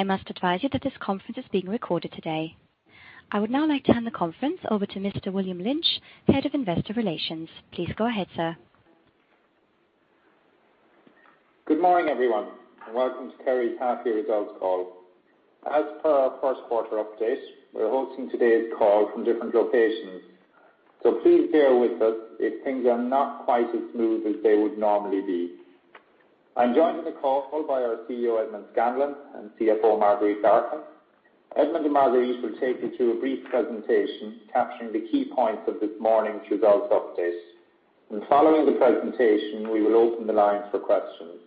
I must advise you that this conference is being recorded today. I would now like to hand the conference over to Mr. William Lynch, Head of Investor Relations. Please go ahead, sir. Good morning, everyone, and welcome to Kerry's half-year results call. As per our first quarter update, we're hosting today's call from different locations, so please bear with us if things are not quite as smooth as they would normally be. I'm joined on the call by our CEO, Edmond Scanlon, and CFO, Marguerite Larkin. Edmond and Marguerite will take you through a brief presentation capturing the key points of this morning's results update. Following the presentation, we will open the lines for questions.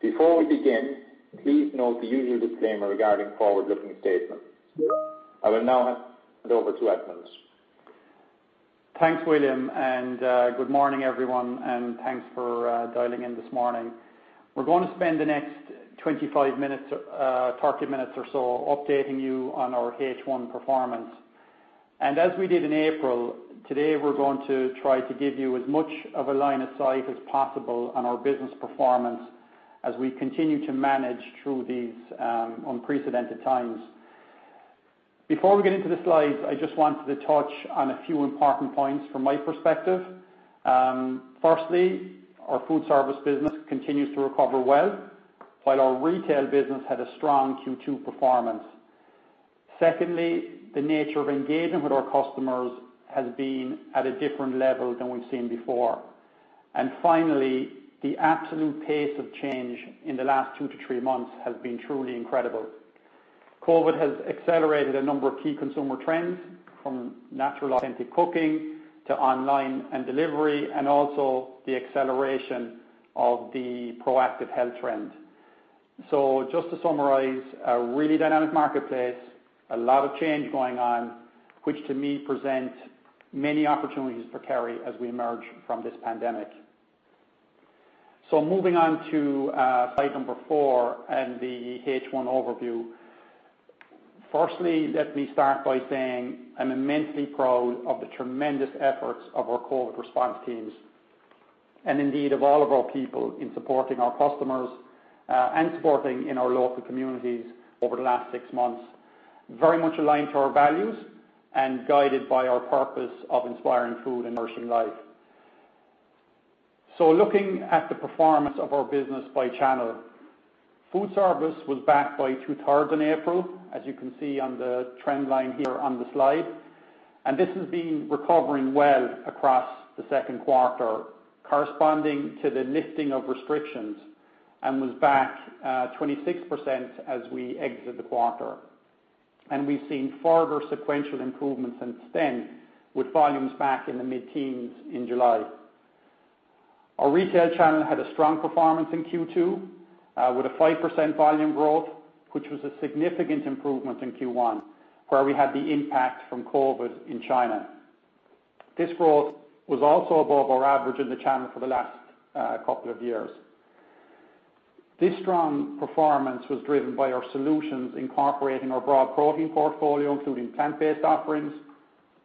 Before we begin, please note the usual disclaimer regarding forward-looking statements. I will now hand over to Edmond. Thanks, William. Good morning, everyone. Thanks for dialing in this morning. We're going to spend the next 25 minutes to 30 minutes or so updating you on our H1 performance. As we did in April, today we're going to try to give you as much of a line of sight as possible on our business performance as we continue to manage through these unprecedented times. Before we get into the slides, I just wanted to touch on a few important points from my perspective. Firstly, our food service business continues to recover well, while our retail business had a strong Q2 performance. Secondly, the nature of engagement with our customers has been at a different level than we've seen before. Finally, the absolute pace of change in the last two to three months has been truly incredible. COVID has accelerated a number of key consumer trends, from natural, authentic cooking to online and delivery, and also the acceleration of the proactive health trend. Just to summarize, a really dynamic marketplace, a lot of change is going on, which to me presents many opportunities for Kerry as we emerge from this pandemic. Moving on to slide number four and the H1 overview. Firstly, let me start by saying I'm immensely proud of the tremendous efforts of our COVID response teams and indeed of all of our people in supporting our customers and supporting in our local communities over the last six months. Very much aligned to our values and guided by our purpose of inspiring food, nourishing life. Looking at the performance of our business by channel. Food service was back by two-thirds in April, as you can see on the trend line here on the slide. This has been recovering well across the second quarter, corresponding to the lifting of restrictions, and was back 26% as we exit the quarter. We've seen further sequential improvements since then, with volumes back in the mid-teens in July. Our retail channel had a strong performance in Q2 with a 5% volume growth, which was a significant improvement in Q1, where we had the impact from COVID in China. This growth was also above our average in the channel for the last couple of years. This strong performance was driven by our solutions incorporating our broad protein portfolio, including plant-based offerings,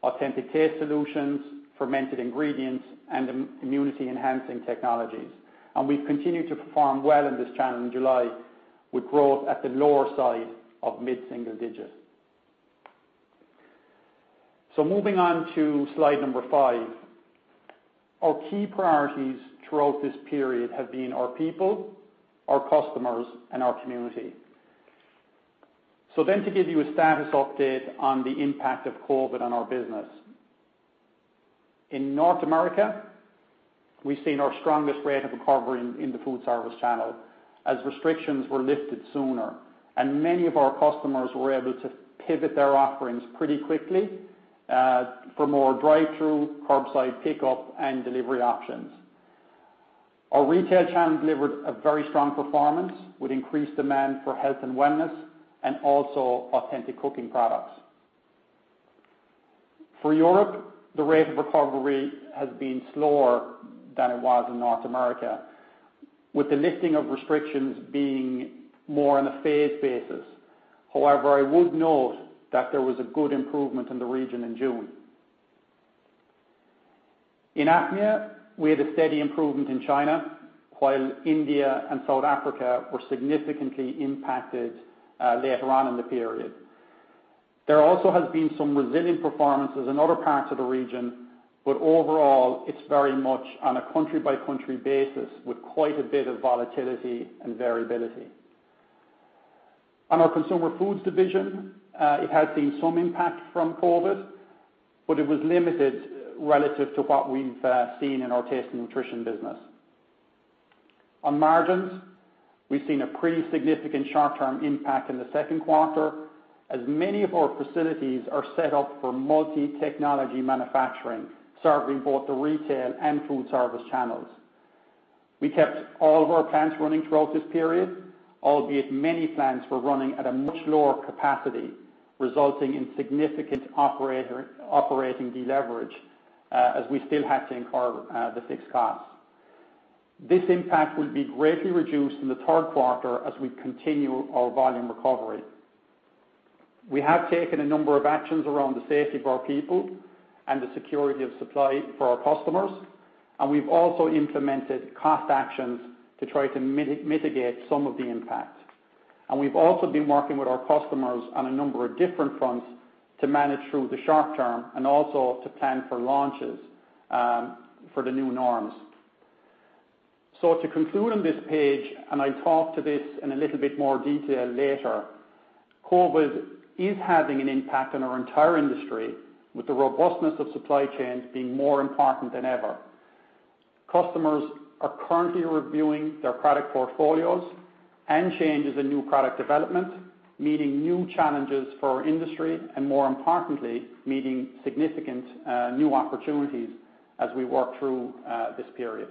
authentic taste solutions, fermented ingredients, and immunity-enhancing technologies. We've continued to perform well in this channel in July with growth at the lower side of mid-single digits. Moving on to slide number five. Our key priorities throughout this period have been our people, our customers, and our community. To give you a status update on the impact of COVID on our business. In North America, we've seen our strongest rate of recovery in the foodservice channel as restrictions were lifted sooner and many of our customers were able to pivot their offerings pretty quickly for more drive-thru, curbside pickup, and delivery options. Our retail channel delivered a very strong performance with increased demand for health and wellness, and also authentic cooking products. For Europe, the rate of recovery has been slower than it was in North America, with the lifting of restrictions being more on a phased basis. I would note that there was a good improvement in the region in June. In APMEA, we had a steady improvement in China, while India and South Africa were significantly impacted later on in the period. There also has been some resilient performances in other parts of the region, but overall, it's very much on a country-by-country basis with quite a bit of volatility and variability. On our Consumer Foods division, it has seen some impact from COVID-19, but it was limited relative to what we've seen in our Taste & Nutrition business. On margins, we've seen a pretty significant short-term impact in the second quarter, as many of our facilities are set up for multi-technology manufacturing, serving both the retail and foodservice channels. We kept all of our plants running throughout this period, albeit many plants were running at a much lower capacity, resulting in significant operating deleverage, as we still had to incur the fixed costs. This impact will be greatly reduced in the third quarter as we continue our volume recovery. We have taken a number of actions around the safety of our people and the security of supply for our customers. We've also implemented cost actions to try to mitigate some of the impact. We've also been working with our customers on a number of different fronts to manage through the short term and also to plan for launches for the new norms. To conclude on this page, and I'll talk to this in a little bit more detail later, COVID is having an impact on our entire industry, with the robustness of supply chains being more important than ever. Customers are currently reviewing their product portfolios and changes in new product development, meeting new challenges for our industry and more importantly, meeting significant new opportunities as we work through this period.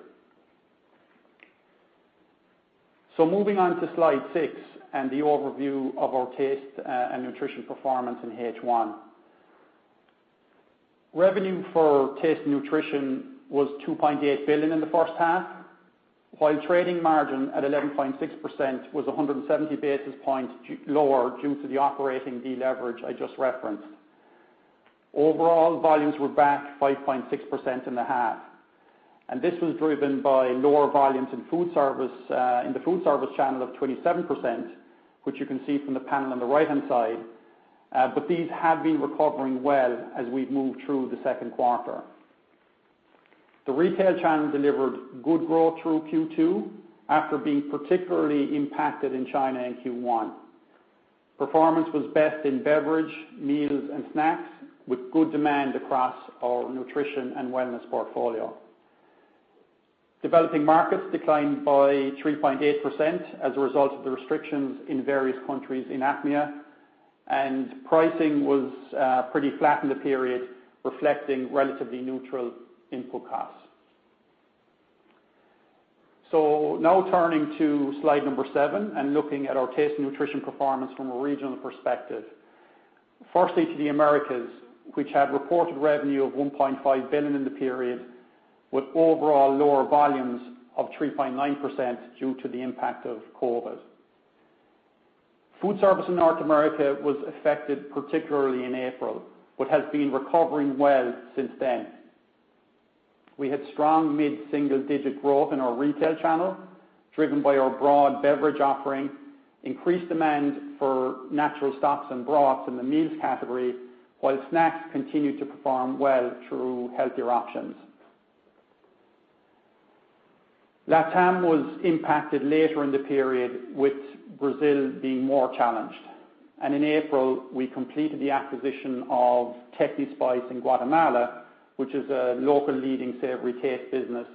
Moving on to slide six and the overview of our Taste & Nutrition performance in H1. Revenue for Taste & Nutrition was 2.8 billion in the first half, while trading margin at 11.6% was 170 basis points lower due to the operating deleverage I just referenced. Overall volumes were back 5.6% in the half. This was driven by lower volumes in the foodservice channel of 27%, which you can see from the panel on the right-hand side. These have been recovering well as we've moved through the second quarter. The retail channel delivered good growth through Q2 after being particularly impacted in China in Q1. Performance was best in beverage, meals, and snacks, with good demand across our nutrition and wellness portfolio. Developing markets declined by 3.8% as a result of the restrictions in various countries in APMEA. Pricing was pretty flat in the period, reflecting relatively neutral input costs. Now turning to slide number seven and looking at our Taste & Nutrition performance from a regional perspective. Firstly, to the Americas, which had reported revenue of 1.5 billion in the period, with overall lower volumes of 3.9% due to the impact of COVID-19. Food service in North America was particularly affected in April, but has been recovering well since then. We had strong mid-single digit growth in our retail channel, driven by our broad beverage offering, increased demand for natural stocks and broths in the meals category, while snacks continued to perform well through healthier options. LATAM was impacted later in the period, with Brazil being more challenged. In April, we completed the acquisition of Tecnispice in Guatemala, which is a local leading savory taste business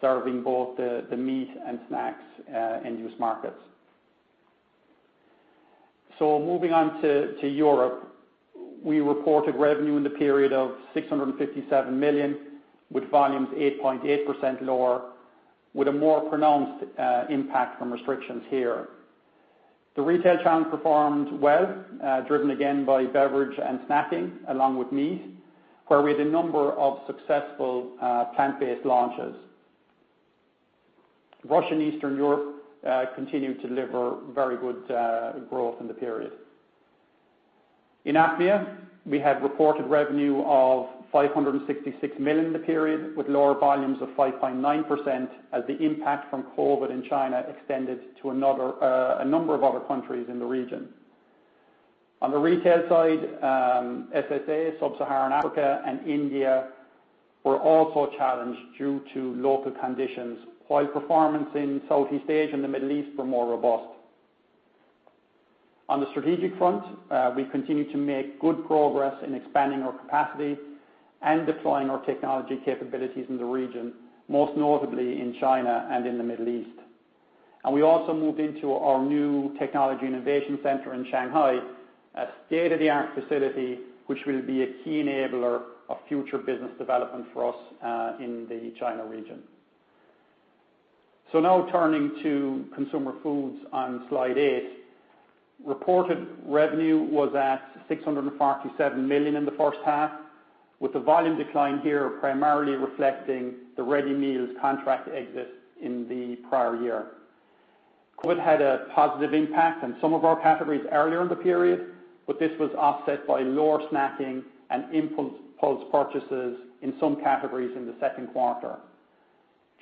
serving both the meat and snacks end-use markets. Moving on to Europe. We reported revenue in the period of 657 million, with volumes 8.8% lower, with a more pronounced impact from restrictions here. The retail channel performed well, driven again by beverage and snacking, along with meat, where we had a number of successful plant-based launches. Russia and Eastern Europe continued to deliver very good growth in the period. In APMEA, we had reported revenue of 566 million in the period with lower volumes of 5.9% as the impact from COVID in China extended to a number of other countries in the region. On the retail side, SSA, sub-Saharan Africa, and India were also challenged due to local conditions, while performance in Southeast Asia and the Middle East were more robust. On the strategic front, we continue to make good progress in expanding our capacity and deploying our technology capabilities in the region, most notably in China and in the Middle East. We also moved into our new technology innovation center in Shanghai, a state-of-the-art facility which will be a key enabler of future business development for us in the China region. Now turning to Consumer Foods on slide eight. Reported revenue was at 647 million in the first half, with the volume decline here primarily reflecting the ready meals contract exit in the prior year. COVID had a positive impact on some of our categories earlier in the period, but this was offset by lower snacking and impulse purchases in some categories in the second quarter.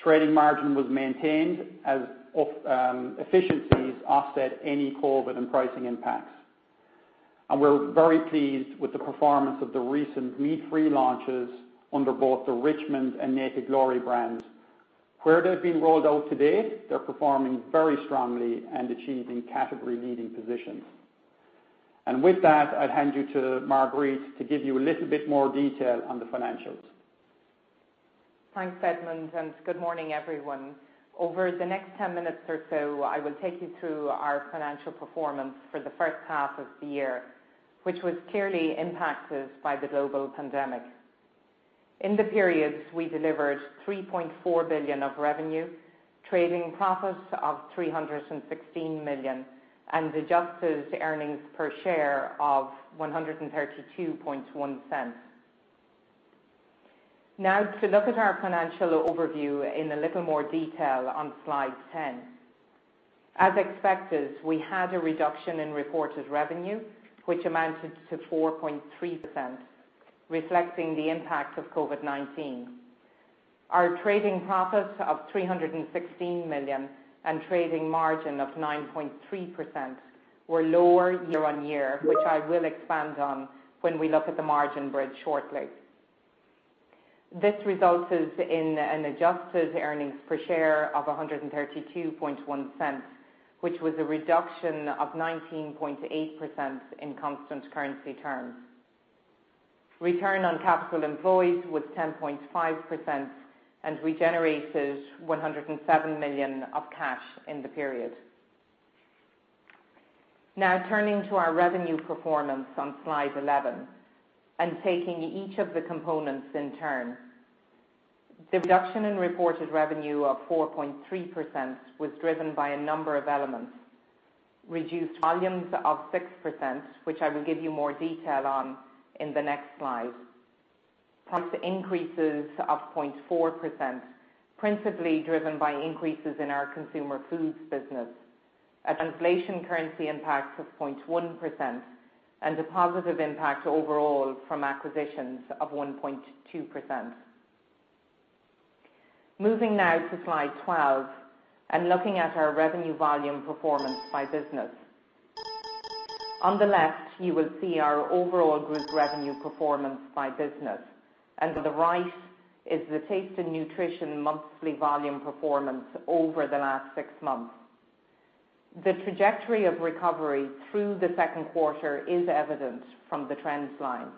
Trading margin was maintained as efficiencies offset any COVID and pricing impacts. We're very pleased with the performance of the recent meat-free launches under both the Richmond and Naked Glory brands. Where they've been rolled out to date, they're performing very strongly and achieving category-leading positions. With that, I'd hand you to Marguerite to give you a little bit more detail on the financials. Thanks, Edmond, and good morning, everyone. Over the next 10 minutes or so, I will take you through our financial performance for the first half of the year, which was clearly impacted by the global pandemic. In the period, we delivered 3.4 billion of revenue, trading profits of 316 million, and adjusted earnings per share of 1.321. Now, to look at our financial overview in a little more detail on slide 10. As expected, we had a reduction in reported revenue, which amounted to 4.3%, reflecting the impact of COVID-19. Our trading profits of 316 million and trading margin of 9.3% were lower year-on-year, which I will expand on when we look at the margin bridge shortly. This results in an adjusted earnings per share of 1.321, which was a reduction of 19.8% in constant currency terms. Return on capital employed was 10.5%, and we generated 107 million of cash in the period. Turning to our revenue performance on slide 11, and taking each of the components in turn. The reduction in reported revenue of 4.3% was driven by a number of elements. Reduced volumes of 6%, which I will give you more details on in the next slide. Price increases of 0.4%, principally driven by increases in our Consumer Foods business. A translation currency impact of 0.1% and a positive impact overall from acquisitions of 1.2%. Moving now to slide 12 and looking at our revenue volume performance by business. On the left, you will see our overall group revenue performance by business, and to the right is the Taste & Nutrition monthly volume performance over the last six months. The trajectory of recovery through the second quarter is evident from the trend line.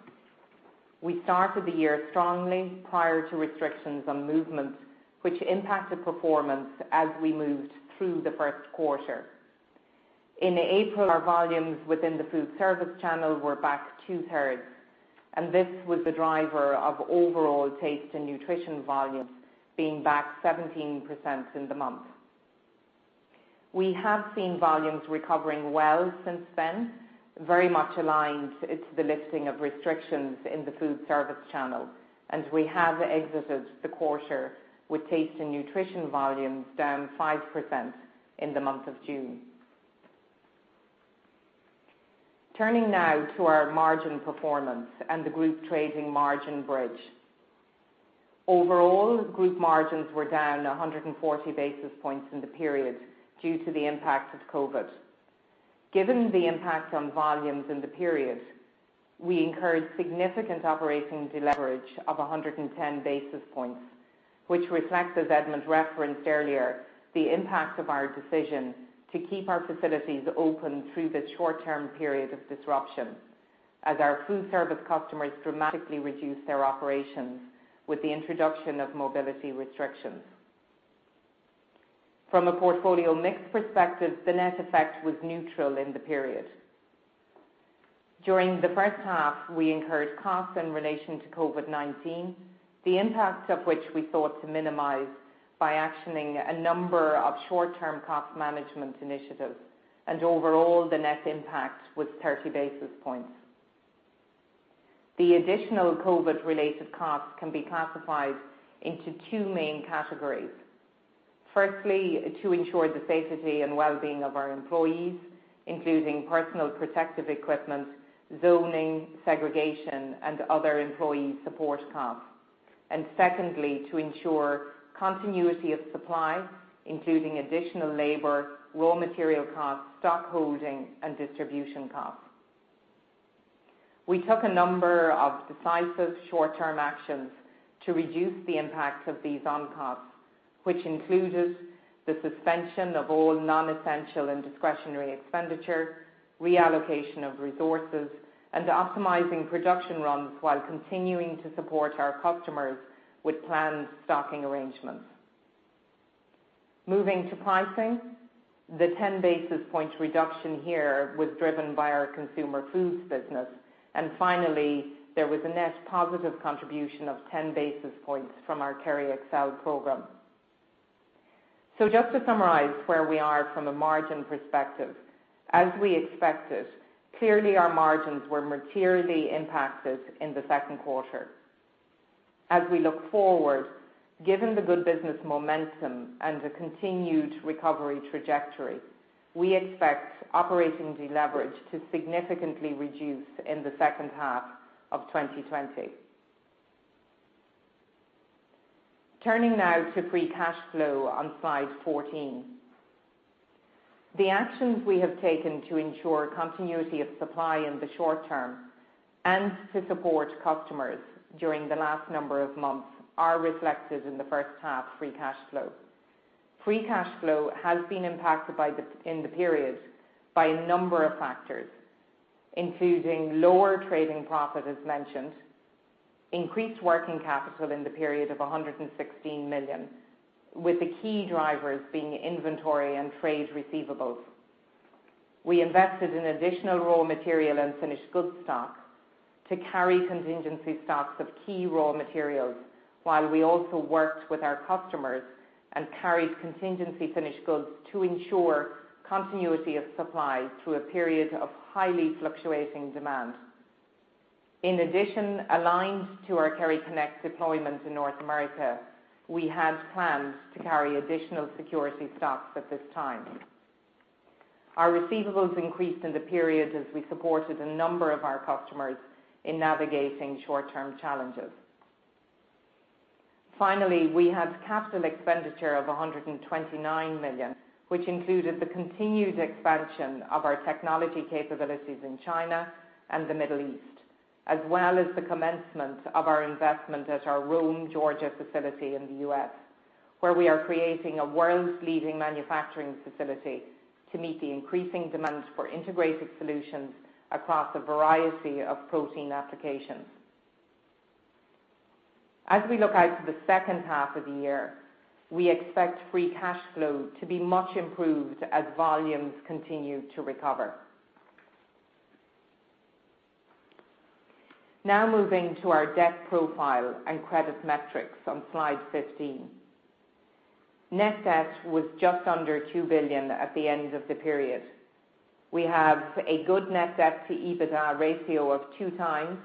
We started the year strongly prior to restrictions on movements, which impacted performance as we moved through the first quarter. In April, our volumes within the foodservice channel were back two-thirds, and this was the driver of overall Taste & Nutrition volume being back 17% in the month. We have seen volumes recovering well since then, very much aligned to the lifting of restrictions in the foodservice channel, and we have exited the quarter with Taste & Nutrition volumes down 5% in the month of June. Turning now to our margin performance and the group trading margin bridge. Overall, group margins were down 140 basis points in the period due to the impact of COVID-19. Given the impact on volumes in the period, we incurred significant operating deleverage of 110 basis points, which reflects, as Edmond referenced earlier, the impact of our decision to keep our facilities open through this short-term period of disruption as our food service customers dramatically reduced their operations with the introduction of mobility restrictions. From a portfolio mix perspective, the net effect was neutral in the period. During the first half, we incurred costs in relation to COVID-19, the impact of which we sought to minimize by actioning a number of short-term cost management initiatives. Overall, the net impact was 30 basis points. The additional COVID-related costs can be classified into two main categories. Firstly, to ensure the safety and well-being of our employees, including personal protective equipment, zoning, segregation, and other employee support costs. Secondly, to ensure continuity of supply, including additional labor, raw material costs, stockholding, and distribution costs. We took a number of decisive short-term actions to reduce the impact of these on costs, which included the suspension of all non-essential and discretionary expenditure, reallocation of resources, and optimizing production runs while continuing to support our customers with planned stocking arrangements. Moving to pricing, the 10 basis points reduction here was driven by our Consumer Foods business. Finally, there was a net positive contribution of 10 basis points from our Kerry Excel program. Just to summarize where we are from a margin perspective. As we expected, clearly our margins were materially impacted in the second quarter. As we look forward, given the good business momentum and the continued recovery trajectory, we expect operating deleverage to significantly reduce in the second half of 2020. Turning now to free cash flow on slide 14. The actions we have taken to ensure continuity of supply in the short term and to support customers during the last number of months are reflected in the first half free cash flow. Free cash flow has been impacted in the period by a number of factors, including lower trading profit as mentioned, increased working capital in the period of 116 million, with the key drivers being inventory and trade receivables. We invested in additional raw materials and finished goods stock to carry contingency stocks of key raw materials, while we also worked with our customers and carried contingency finished goods to ensure continuity of supply through a period of highly fluctuating demand. In addition, aligned to our KerryConnect deployment in North America, we had planned to carry additional security stocks at this time. Our receivables increased in the period as we supported a number of our customers in navigating short-term challenges. Finally, we had capital expenditure of 129 million, which included the continued expansion of our technology capabilities in China and the Middle East, as well as the commencement of our investment at our Rome, Georgia, facility in the U.S., where we are creating a world-leading manufacturing facility to meet the increasing demand for integrated solutions across a variety of protein applications. As we look out to the second half of the year, we expect free cash flow to be much improved as volumes continue to recover. Now moving to our debt profile and credit metrics on slide 15. Net debt was just under 2 billion at the end of the period. We have a good net debt to EBITDA ratio of 2x.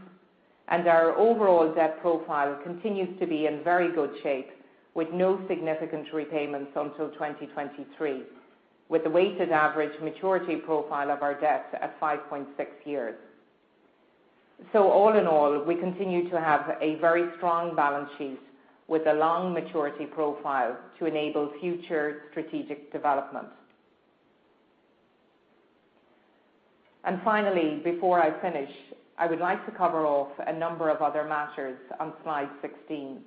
Our overall debt profile continues to be in very good shape, with no significant repayments until 2023, with a weighted average maturity profile of our debt at five point six years. All in all, we continue to have a very strong balance sheet with a long maturity profile to enable future strategic development. Finally, before I finish, I would like to cover off a number of other matters on slide 16.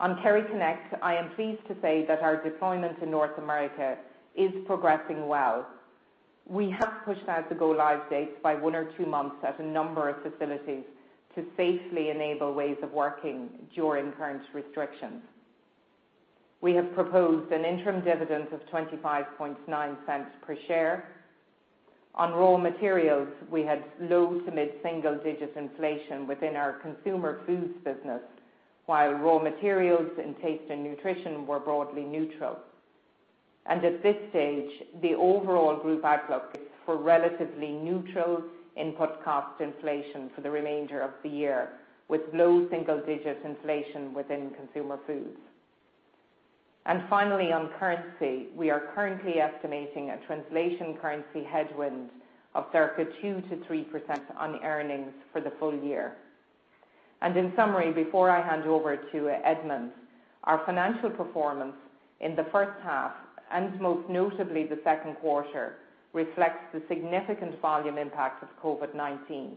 On KerryConnect, I am pleased to say that our deployment in North America is progressing well. We have pushed out the go-live dates by one or two months at a number of facilities to safely enable ways of working during current restrictions. We have proposed an interim dividend of 0.259 per share. On raw materials, we had low to mid-single digit inflation within our Consumer Foods business, while raw materials in Taste & Nutrition were broadly neutral. At this stage, the overall group outlook is for relatively neutral input cost inflation for the remainder of the year, with low single-digit inflation within Consumer Foods. Finally, on currency, we are currently estimating a translation currency headwind of circa 2%-3% on earnings for the full year. In summary, before I hand over to Edmond, our financial performance in the first half, and most notably the second quarter, reflects the significant volume impact of COVID-19,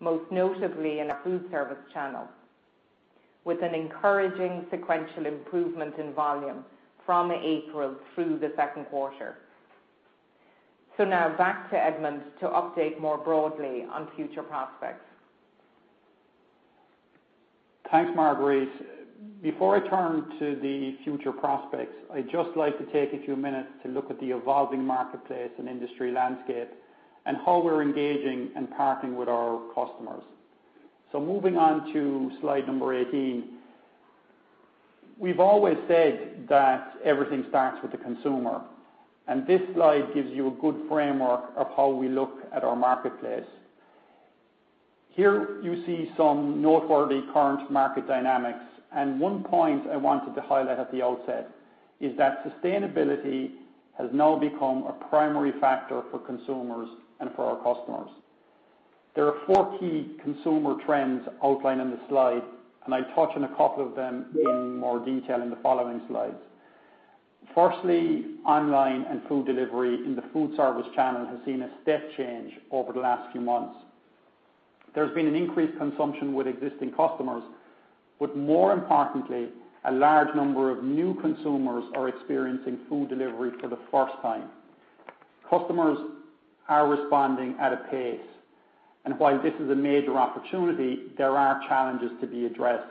most notably in our foodservice channel, with an encouraging sequential improvement in volume from April through the second quarter. Now back to Edmond to update more broadly on future prospects. Thanks, Marguerite. Before I turn to the future prospects, I'd just like to take a few minutes to look at the evolving marketplace and industry landscape and how we're engaging and partnering with our customers. Moving on to slide number 18. We've always said that everything starts with the consumer, and this slide gives you a good framework of how we look at our marketplace. Here you see some noteworthy current market dynamics, and one point I wanted to highlight at the outset is that sustainability has now become a primary factor for consumers and for our customers. There are four key consumer trends outlined in the slide, and I touch on a couple of them in more detail in the following slides. Firstly, online and food delivery in the foodservice channel has seen a step change over the last few months. There's been an increased consumption with existing customers, but more importantly, a large number of new consumers are experiencing food delivery for the first time. Customers are responding at a pace, and while this is a major opportunity, there are challenges to be addressed,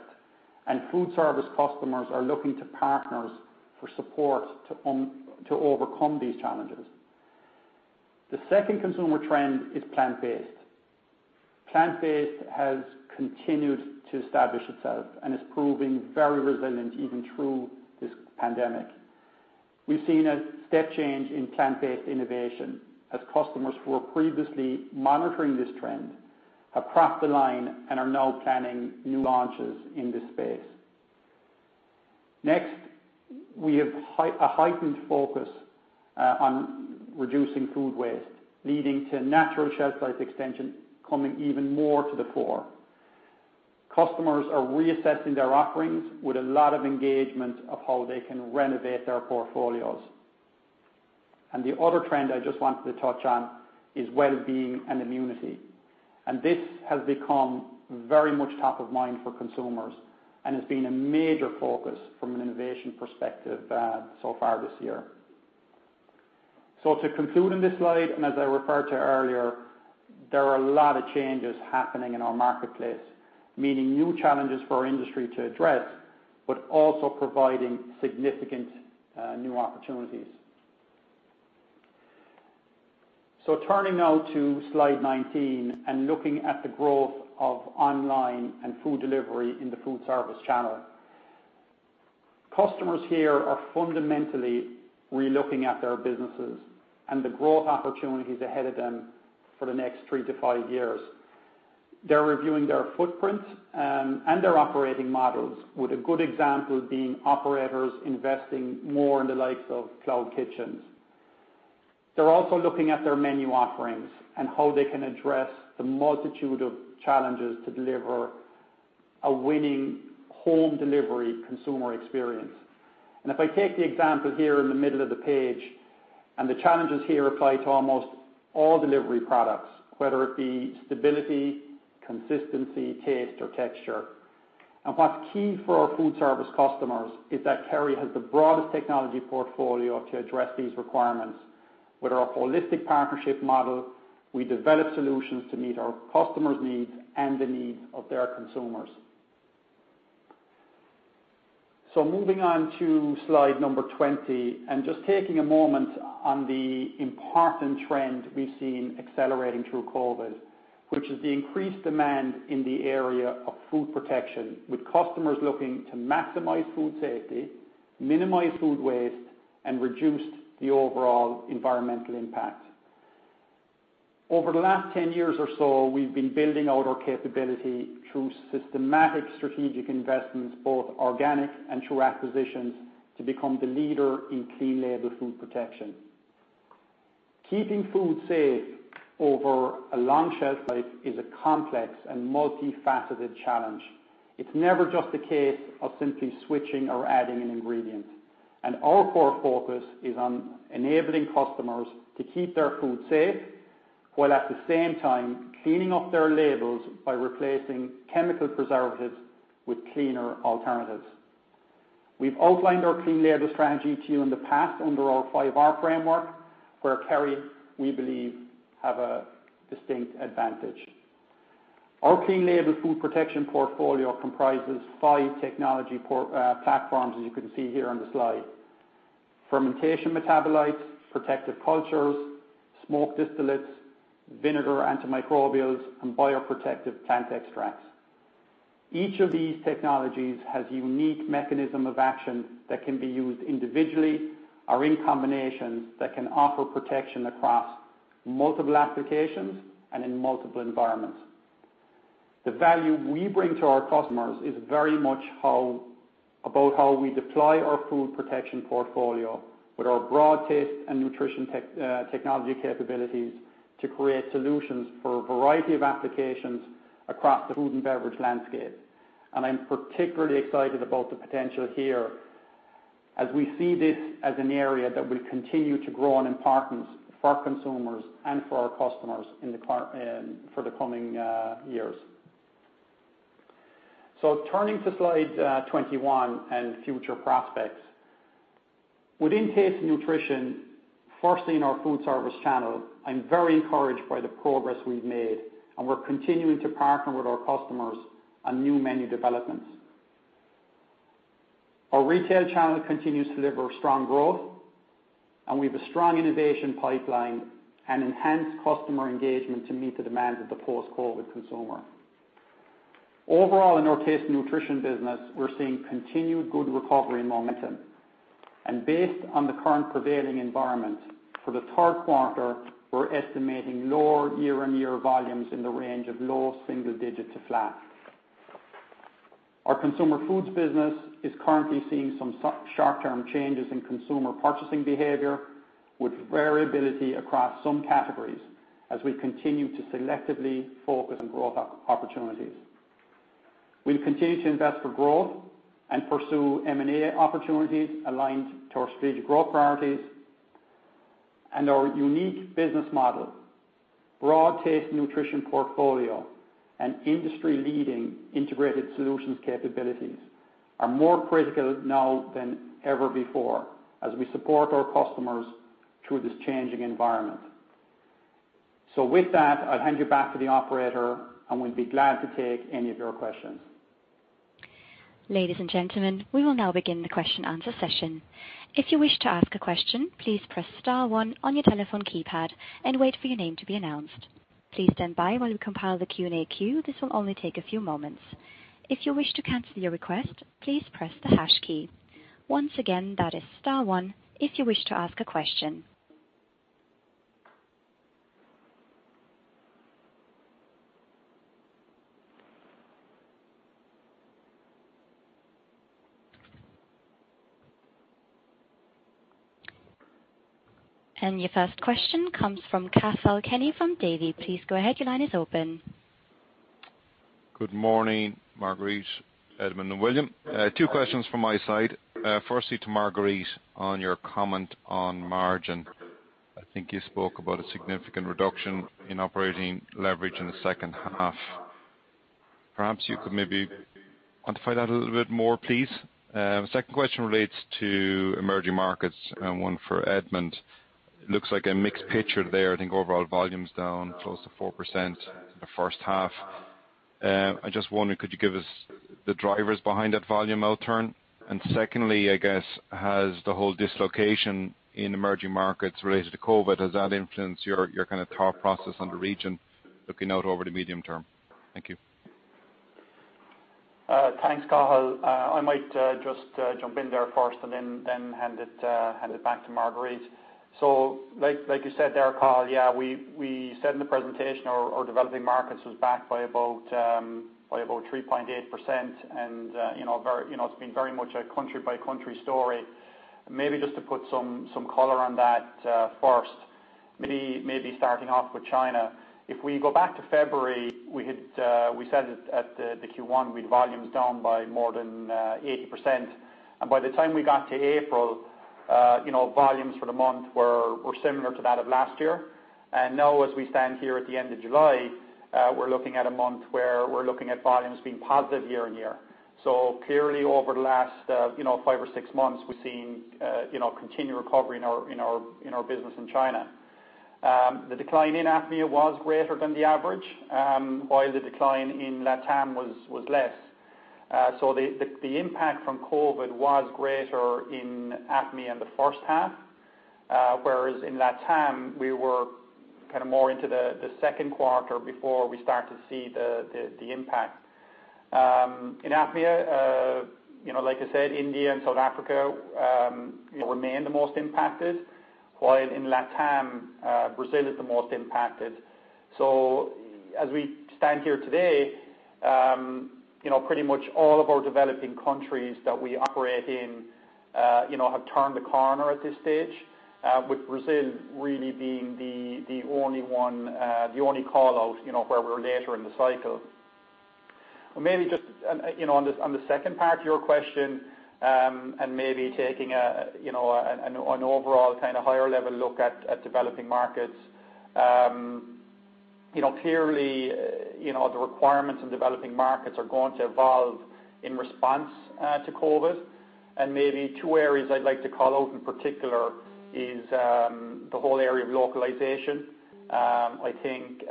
and food service customers are looking to partners for support to overcome these challenges. The second consumer trend is plant-based. Plant-based has continued to establish itself and is proving very resilient, even through this pandemic. We've seen a step change in plant-based innovation as customers who were previously monitoring this trend have crossed the line and are now planning new launches in this space. Next, we have a heightened focus on reducing food waste, leading to natural shelf life extension coming even more to the fore. Customers are reassessing their offerings with a lot of engagement of how they can renovate their portfolios. The other trend I just wanted to touch on is well-being and immunity. This has become very much top of mind for consumers and has been a major focus from an innovation perspective so far this year. To conclude on this slide, and as I referred to earlier, there are a lot of changes happening in our marketplace, meaning new challenges for our industry to address, but also providing significant new opportunities. Turning now to slide 19 and looking at the growth of online and food delivery in the foodservice channel. customers here are fundamentally relooking at their businesses and the growth opportunities ahead of them for the next three to five years. They're reviewing their footprint and their operating models, with a good example being operators investing more in the likes of cloud kitchens. They're also looking at their menu offerings and how they can address the multitude of challenges to deliver a winning home delivery consumer experience. If I take the example here in the middle of the page, the challenges here apply to almost all delivery products, whether it be stability, consistency, taste, or texture. What's key for our food service customers is that Kerry has the broadest technology portfolio to address these requirements. With our holistic partnership model, we develop solutions to meet our customers' needs and the needs of their consumers. Moving on to slide number 20, just taking a moment on the important trend we've seen accelerating through COVID-19, which is the increased demand in the area of food protection, with customers looking to maximize food safety, minimize food waste, and reduce the overall environmental impact. Over the last 10 years or so, we've been building out our capability through systematic strategic investments, both organic and through acquisitions, to become the leader in clean-label food protection. Keeping food safe over a long shelf life is a complex and multifaceted challenge. It's never just a case of simply switching or adding an ingredient. Our core focus is on enabling customers to keep their food safe while at the same time cleaning up their labels by replacing chemical preservatives with cleaner alternatives. We've outlined our clean-label strategy to you in the past under our 5R framework, where Kerry, we believe, have a distinct advantage. Our clean-label food protection portfolio comprises five technology platforms, as you can see here on the slide. Fermentation metabolites, protective cultures, smoke distillates, vinegar antimicrobials, and bioprotective plant extracts. Each of these technologies has a unique mechanism of action that can be used individually or in combination that can offer protection across multiple applications and in multiple environments. The value we bring to our customers is very much about how we deploy our food protection portfolio with our broad Taste & Nutrition technology capabilities to create solutions for a variety of applications across the food and beverage landscape. I'm particularly excited about the potential here as we see this as an area that will continue to grow in importance for our consumers and for our customers for the coming years. Turning to slide 21 and future prospects. Within Taste & Nutrition, firstly in our foodservice channel, I'm very encouraged by the progress we've made, and we're continuing to partner with our customers on new menu developments. Our retail channel continues to deliver strong growth, and we have a strong innovation pipeline and enhanced customer engagement to meet the demands of the post-COVID consumer. Overall, in our Taste & Nutrition business, we're seeing continued good recovery and momentum. Based on the current prevailing environment, for the third quarter, we're estimating lower year-on-year volumes in the range of low single digits to flat. Our Consumer Foods business is currently seeing some short-term changes in consumer purchasing behavior, with variability across some categories as we continue to selectively focus on growth opportunities. We'll continue to invest for growth and pursue M&A opportunities aligned to our strategic growth priorities. Our unique business model, broad Taste & Nutrition portfolio, and industry-leading integrated solutions capabilities are more critical now than ever before as we support our customers through this changing environment. With that, I'll hand you back to the operator, and we'll be glad to take any of your questions. Ladies and gentlemen, we will now begin the question-and-answer session. If you wish to ask a question, please press star one on your telephone keypad and wait for your name to be announced. Please stand by while we compile the Q&A queue. This will only take a few moments. If you wish to cancel your request, please press the hash key. Once again, that is star one if you wish to ask a question. Your first question comes from Cathal Kenny from Davy. Please go ahead. Your line is open. Good morning, Marguerite, Edmond, and William. Two questions from my side. Firstly, to Marguerite, on your comment on margin. I think you spoke about a significant reduction in operating leverage in the second half. Perhaps you could maybe quantify that a little bit more, please. Second question relates to emerging markets and one for Edmond. Looks like a mixed picture there. I think overall volume's down close to 4% in the first half. I just wondered, could you give us the drivers behind that volume outturn? Secondly, I guess, has the whole dislocation in emerging markets related to COVID, has that influenced your kind of thought process on the region looking out over the medium term? Thank you. Thanks, Cathal. I might just jump in there first and then hand it back to Marguerite. Like you said there, Cathal, yeah, we said in the presentation our developing markets was back by about 3.8%, and it's been very much a country-by-country story. Maybe just to put some color on that first, maybe starting off with China. If we go back to February, we said at the Q1, we had volumes down by more than 80%, and by the time we got to April, volumes for the month were similar to that of last year. Now, as we stand here at the end of July, we're looking at a month where we're looking at volumes being positive year-on-year. Clearly, over the last five or six months, we've seen continued recovery in our business in China. The decline in APMEA was greater than the average, while the decline in LATAM was less. The impact from COVID was greater in APMEA in the first half, whereas in LATAM, we were kind of more into the second quarter before we started to see the impact. In APMEA, like I said, India and South Africa remain the most impacted, while in LATAM, Brazil is the most impacted. As we stand here today, pretty much all of our developing countries that we operate in have turned a corner at this stage, with Brazil really being the only one, the only callout where we're later in the cycle. Maybe just on the second part of your question, and maybe taking an overall kind of higher-level look at developing markets. Clearly, the requirements in developing markets are going to evolve in response to COVID. Maybe two areas I'd like to call out in particular is the whole area of localization. I think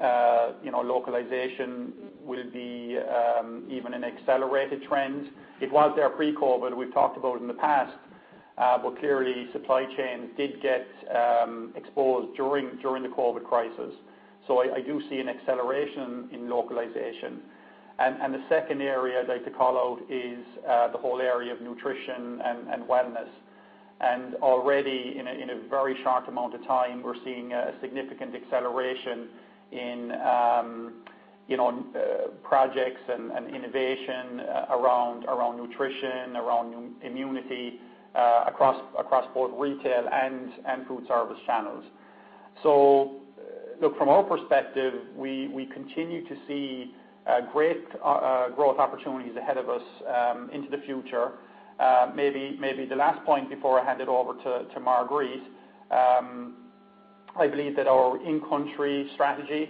localization will be an even accelerated trend. It was there pre-COVID-19; we've talked about it in the past, but clearly supply chain did get exposed during the COVID-19 crisis. I do see an acceleration in localization. The second area I'd like to call out is the whole area of nutrition and wellness. Already in a very short amount of time, we're seeing a significant acceleration in projects and innovation around nutrition, around immunity, across both retail and foodservice channels. Look, from our perspective, we continue to see great growth opportunities ahead of us into the future. Maybe the last point before I hand it over to Marguerite, I believe that our in-country strategy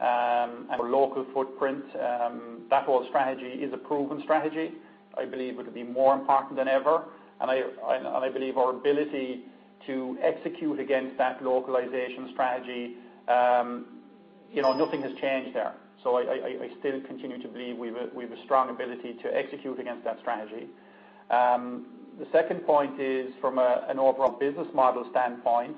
and our local footprint, that whole strategy is a proven strategy. I believe it'll be more important than ever. I believe our ability to execute against that localization strategy, nothing has changed there. I still continue to believe we have a strong ability to execute against that strategy. The second point is from an overall business model standpoint.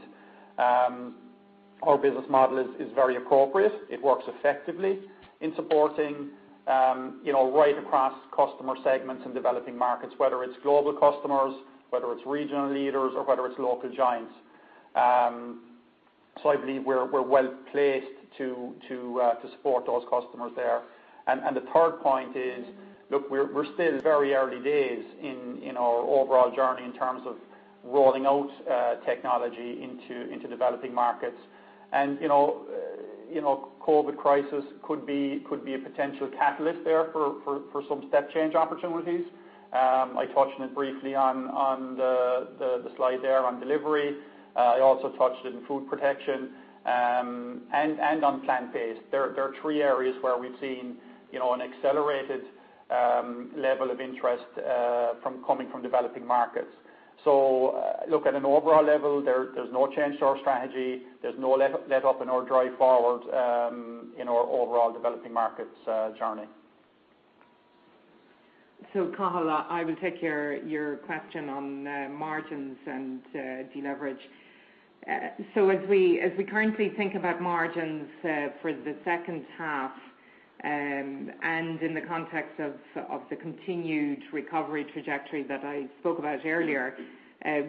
Our business model is very appropriate. It works effectively in supporting right across customer segments in developing markets, whether it's global customers, whether it's regional leaders, or whether it's local giants. I believe we're well placed to support those customers there. The third point is, look, we're still very early days in our overall journey in terms of rolling out technology into developing markets. COVID crisis could be a potential catalyst there for some step-change opportunities. I touched on it briefly on the slide there on delivery. I also touched it in food protection and on plant-based. There are three areas where we've seen an accelerated level of interest coming from developing markets. Look, at an overall level, there's no change to our strategy. There's no letup in our drive forward in our overall developing markets journey. Cathal, I will take your question on margins and deleverage. As we currently think about margins for the second half, and in the context of the continued recovery trajectory that I spoke about earlier,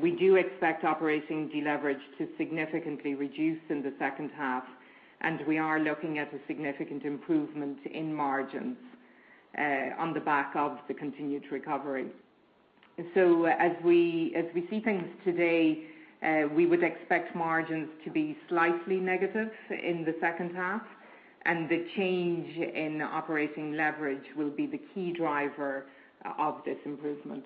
we do expect operating deleverage to significantly reduce in the second half, and we are looking at a significant improvement in margins on the back of the continued recovery. As we see things today, we would expect margins to be slightly negative in the second half, and the change in operating leverage will be the key driver of this improvement.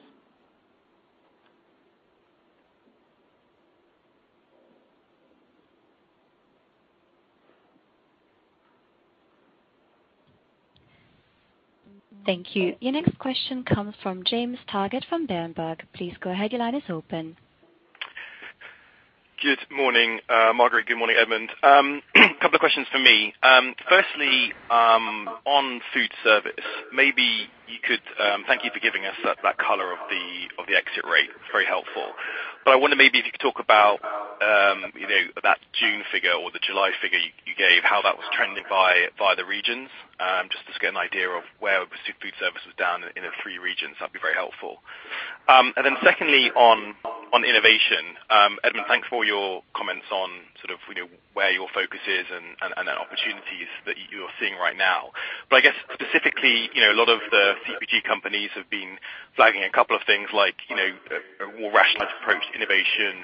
Thank you. Your next question comes from James Targett from Berenberg. Please go ahead. Your line is open. Good morning, Marguerite. Good morning, Edmond. A couple of questions from me. Firstly, on food service. Thank you for giving us that color of the exit rate. Very helpful. I wonder maybe if you could talk about that June figure or the July figure you gave, how that was trending by the regions, just to get an idea of where foodservice was down in the three regions. That'd be very helpful. Secondly, on innovation. Edmond, thanks for your comments on where your focus is and the opportunities that you're seeing right now. I guess specifically, a lot of the CPG companies have been flagging a couple of things like, a more rationalized approach to innovation,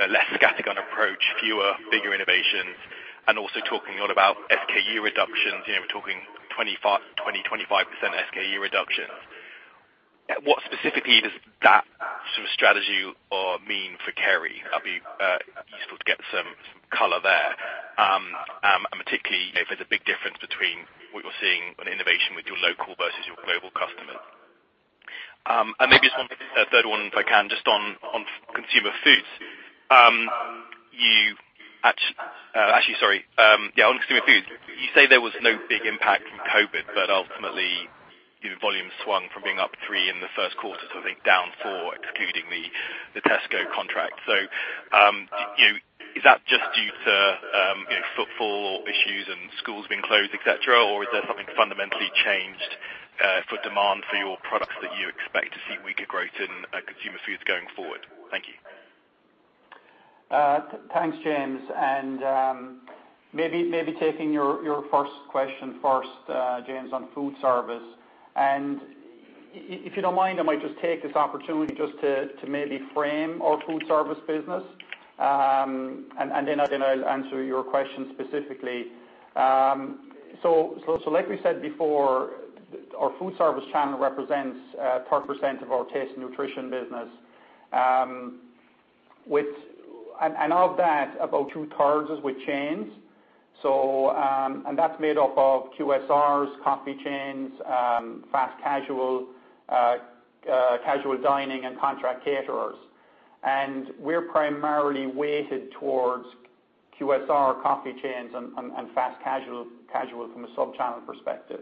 a less scattergun approach, fewer bigger innovations, and also talking a lot about SKU reductions. We're talking 20%, 25% SKU reductions. What specifically does that strategy mean for Kerry? That'd be useful to get some color there, particularly if there's a big difference between what you're seeing on innovation with your local versus your global customers. Maybe just one third one, if I can, just on Consumer Foods. Actually, sorry. Yeah, on Consumer Foods. You say there was no big impact from COVID-19; ultimately, volume swung from being up three in the first quarter to, I think, down four, excluding the Tesco contract. Is that just due to footfall issues and schools being closed, et cetera? Is there something fundamentally changed for demand for your products that you expect to see weaker growth in Consumer Foods going forward? Thank you. Thanks, James. Maybe taking your first question first, James, on foodservice. If you don't mind, I might just take this opportunity just to maybe frame our foodservice business, then I'll answer your question specifically. Like we said before, our foodservice channel represents 12% of our Taste & Nutrition business. Of that, about two-thirds is with chains. That's made up of QSRs, coffee chains, fast casual dining, and contract caterers. We're primarily weighted towards QSR, coffee chains, and fast casual from a sub-channel perspective.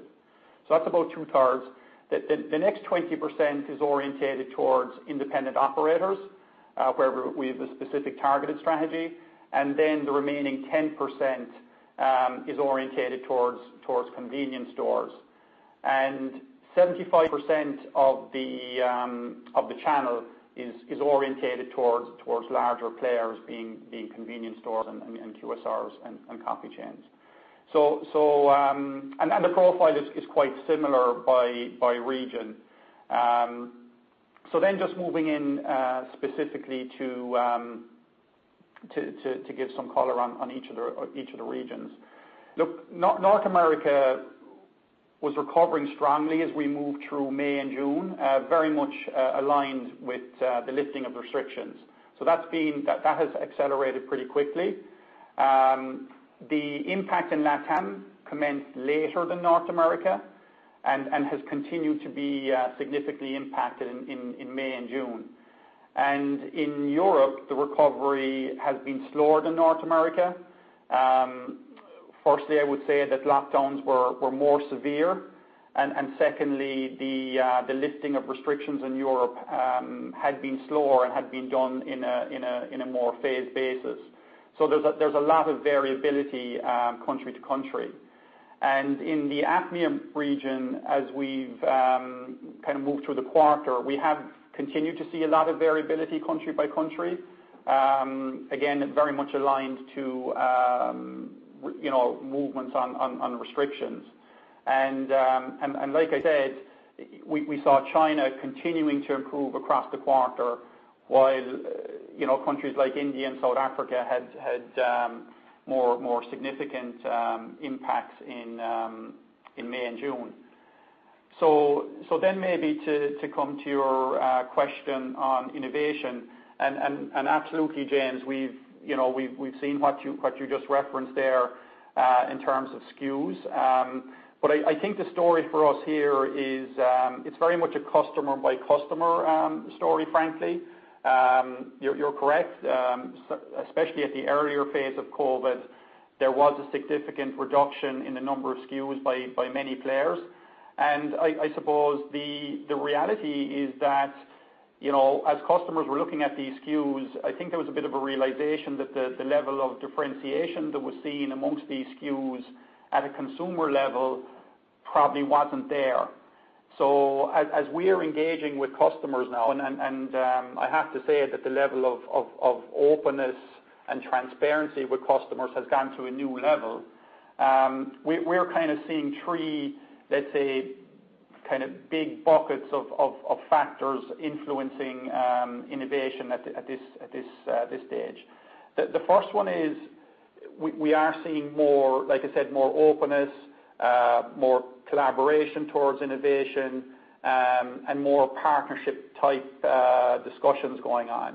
That's about two-thirds. The next 20% is orientated towards independent operators, where we have a specific targeted strategy. Then the remaining 10% is orientated towards convenience stores. 75% of the channel is orientated towards larger players, being convenience stores, and QSRs, and coffee chains. The profile is quite similar by region. Just moving in specifically to give some color on each of the regions. Look, North America was recovering strongly as we moved through May and June, very much aligned with the lifting of restrictions. The impact in LATAM commenced later than North America and has continued to be significantly impacted in May and June. In Europe, the recovery has been slower than in North America. Firstly, I would say that lockdowns were more severe, and secondly, the lifting of restrictions in Europe had been slower and had been done in a more phased basis. There's a lot of variability country-to-country. In the APMEA region, as we've kind of moved through the quarter, we have continued to see a lot of variability country-by-country. Again, very much aligned to movements on restrictions. Like I said, we saw China continuing to improve across the quarter while countries like India and South Africa had more significant impacts in May and June. Maybe to come to your question on innovation, absolutely, James, we've seen what you just referenced there in terms of SKUs. I think the story for us here is it's very much a customer-by-customer story, frankly. You're correct. Especially at the earlier phase of COVID-19, there was a significant reduction in the number of SKUs by many players. I suppose the reality is that, as customers were looking at these SKUs, I think there was a bit of a realization that the level of differentiation that was seen amongst these SKUs at a consumer level probably wasn't there. As we are engaging with customers now, and I have to say that the level of openness and transparency with customers has gone to a new level, we're kind of seeing three, let's say, big buckets of factors influencing innovation at this stage. The first one is we are seeing, like I said, more openness, more collaboration towards innovation, and more partnership-type discussions going on.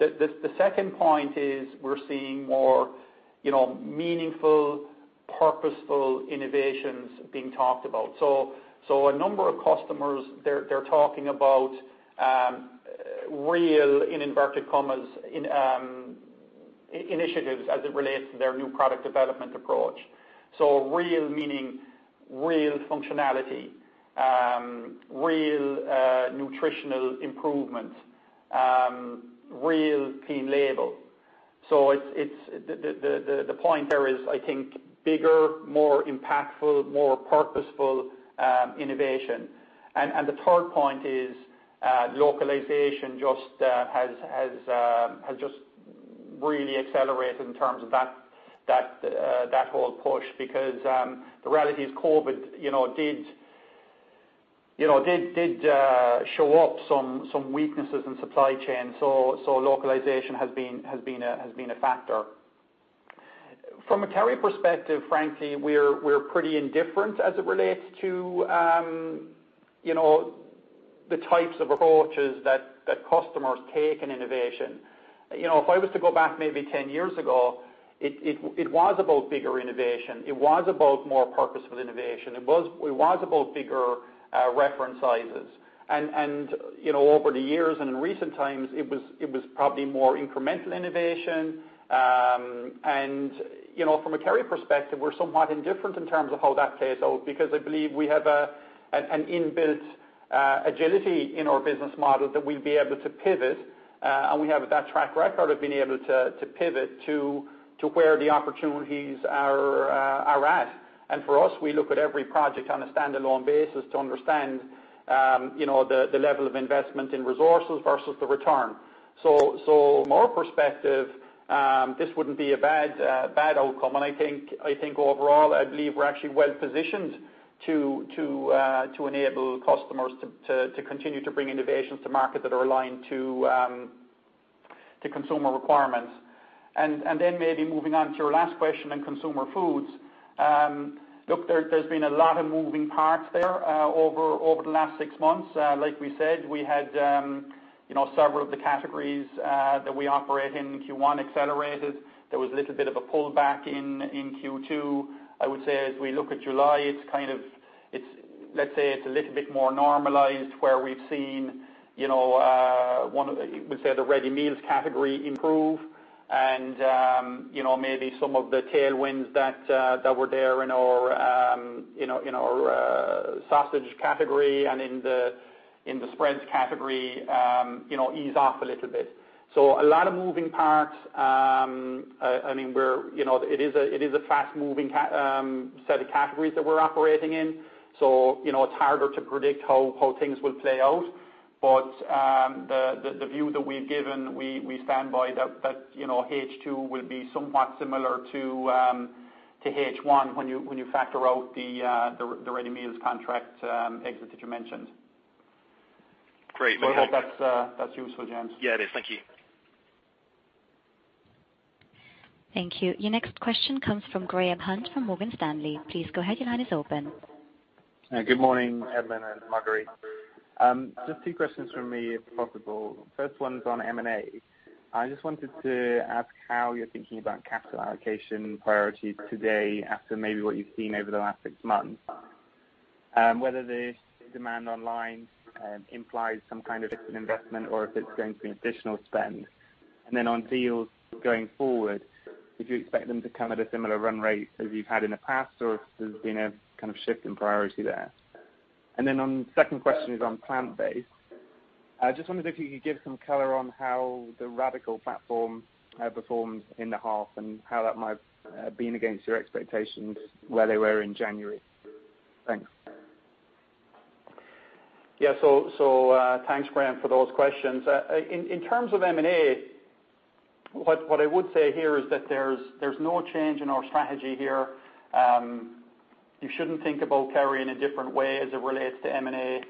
The second point is we're seeing more meaningful, purposeful innovations being talked about. A number of customers are talking about real, in inverted commas, initiatives as it relates to their new product development approach. Real meaning, real functionality, real nutritional improvement, real clean label. The point there is, I think, bigger, more impactful, more purposeful innovation. The third point is localization has just really accelerated in terms of that whole push because the reality is COVID did show up some weaknesses in the supply chain. Localization has been a factor. From a Kerry perspective, frankly, we're pretty indifferent as it relates to the types of approaches that customers take in innovation. If I was to go back, maybe 10 years ago, it was about bigger innovation, it was about more purposeful innovation. It was about bigger reference sizes. Over the years and in recent times, it was probably more incremental innovation. From a Kerry perspective, we're somewhat indifferent in terms of how that plays out because I believe we have an inbuilt agility in our business model that we'll be able to pivot, and we have that track record of being able to pivot to where the opportunities are at. For us, we look at every project on a standalone basis to understand the level of investment in resources versus the return. From our perspective, this wouldn't be a bad outcome, and I think overall, I believe we're actually well-positioned to enable customers to continue to bring innovations to market that are aligned to consumer requirements. Maybe moving on to your last question in Consumer Foods. Look, there's been a lot of moving parts there over the last six months. Like we said, we had several of the categories that we operate in Q1 accelerated. There was a little bit of a pullback in Q2. I would say, as we look at July, let's say it's a little bit more normalized, where we've seen the ready meals category improve, and maybe some of the tailwinds that were there in our sausage category and in the spreads category ease off a little bit. A lot of moving parts. It is a fast-moving set of categories that we're operating in, so it's harder to predict how things will play out. The view that we've given, we stand by that H2 will be somewhat similar to H1 when you factor out the ready meals contract exit that you mentioned. Great. I hope that's useful, James. Yeah, it is. Thank you. Thank you. Your next question comes from Graham Hunt from Morgan Stanley. Please go ahead. Your line is open. Good morning, Edmond and Marguerite. Just two questions from me, if possible. First one's on M&A. I just wanted to ask how you're thinking about capital allocation priorities today after maybe what you've seen over the last six months, whether the demand online implies some kind of an investment, or if it's going to be additional spend. On deals going forward, would you expect them to come at a similar run rate as you've had in the past, or if there's been a kind of shift in priority there? Then, the second question is on plant-based. I just wondered if you could give some color on how the Radicle platform performed in the half and how that might have been against your expectations, where they were in January. Thanks. Yeah. Thanks, Graham, for those questions. In terms of M&A, what I would say here is that there's no change in our strategy here. You shouldn't think about Kerry in a different way as it relates to M&A.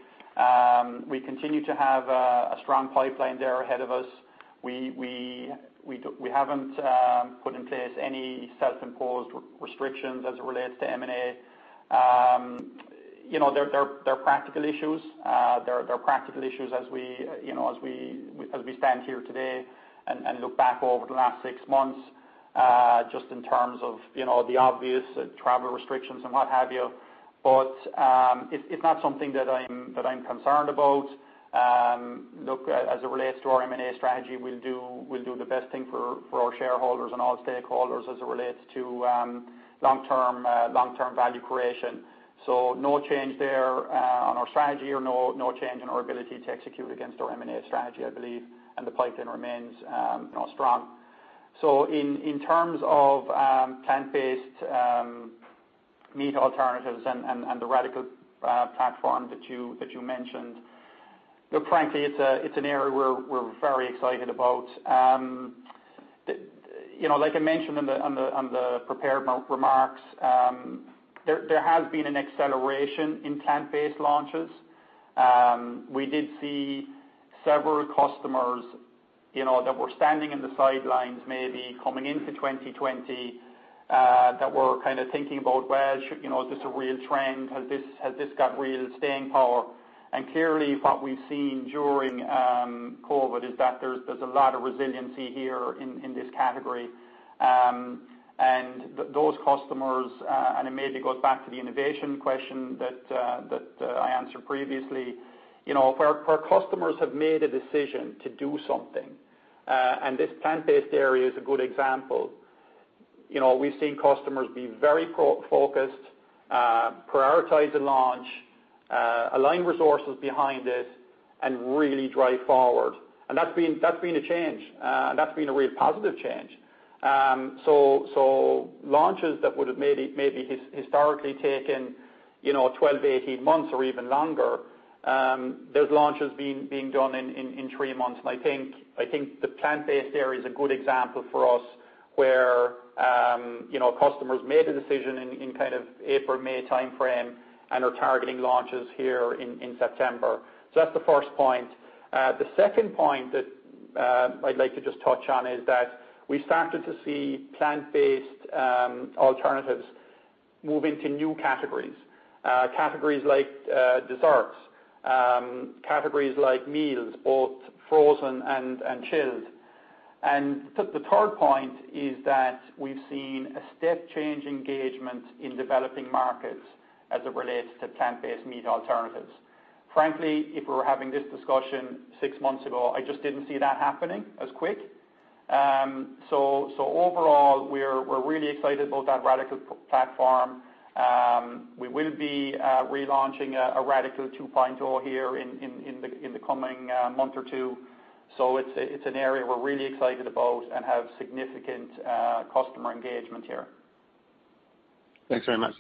We continue to have a strong pipeline there ahead of us. We haven't put in place any self-imposed restrictions as it relates to M&A. There are practical issues. There are practical issues as we stand here today and look back over the last six months, just in terms of the obvious travel restrictions and what have you. It's not something that I'm concerned about. Look, as it relates to our M&A strategy, we'll do the best thing for our shareholders and all stakeholders as it relates to long-term value creation. No change there on our strategy or no change in our ability to execute against our M&A strategy, I believe, and the pipeline remains strong. In terms of plant-based meat alternatives and the Radicle platform that you mentioned, look, frankly, it's an area we're very excited about. Like I mentioned on the prepared remarks, there has been an acceleration in plant-based launches. We did see several customers that were standing in the sidelines, maybe coming into 2020, who were kind of thinking about, "Well, is this a real trend? Has this got real staying power?" Clearly, what we've seen during COVID is that there's a lot of resiliency here in this category. Those customers, and it maybe goes back to the innovation question that I answered previously. Where customers have made a decision to do something, and this plant-based area is a good example. We've seen customers be very focused, prioritize the launch, align resources behind it, and really drive forward. That's been a change. That's been a really positive change. Launches that would've maybe historically taken 12-18 months or even longer those launches being done in three months. I think the plant-based area is a good example for us, where customers made a decision in April or May timeframe and are targeting launches here in September. That's the first point. The second point that I'd like to just touch on is that we started to see plant-based alternatives move into new categories. Categories like desserts, categories like meals, both frozen and chilled. The third point is that we've seen a step change in engagement in developing markets as it relates to plant-based meat alternatives. Frankly, if we were having this discussion six months ago, I just didn't see that happening as quick. Overall, we're really excited about that Radicle platform. We will be relaunching Radicle 2.0 here in the coming month or two. It's an area we're really excited about and have significant customer engagement here. Thanks very much.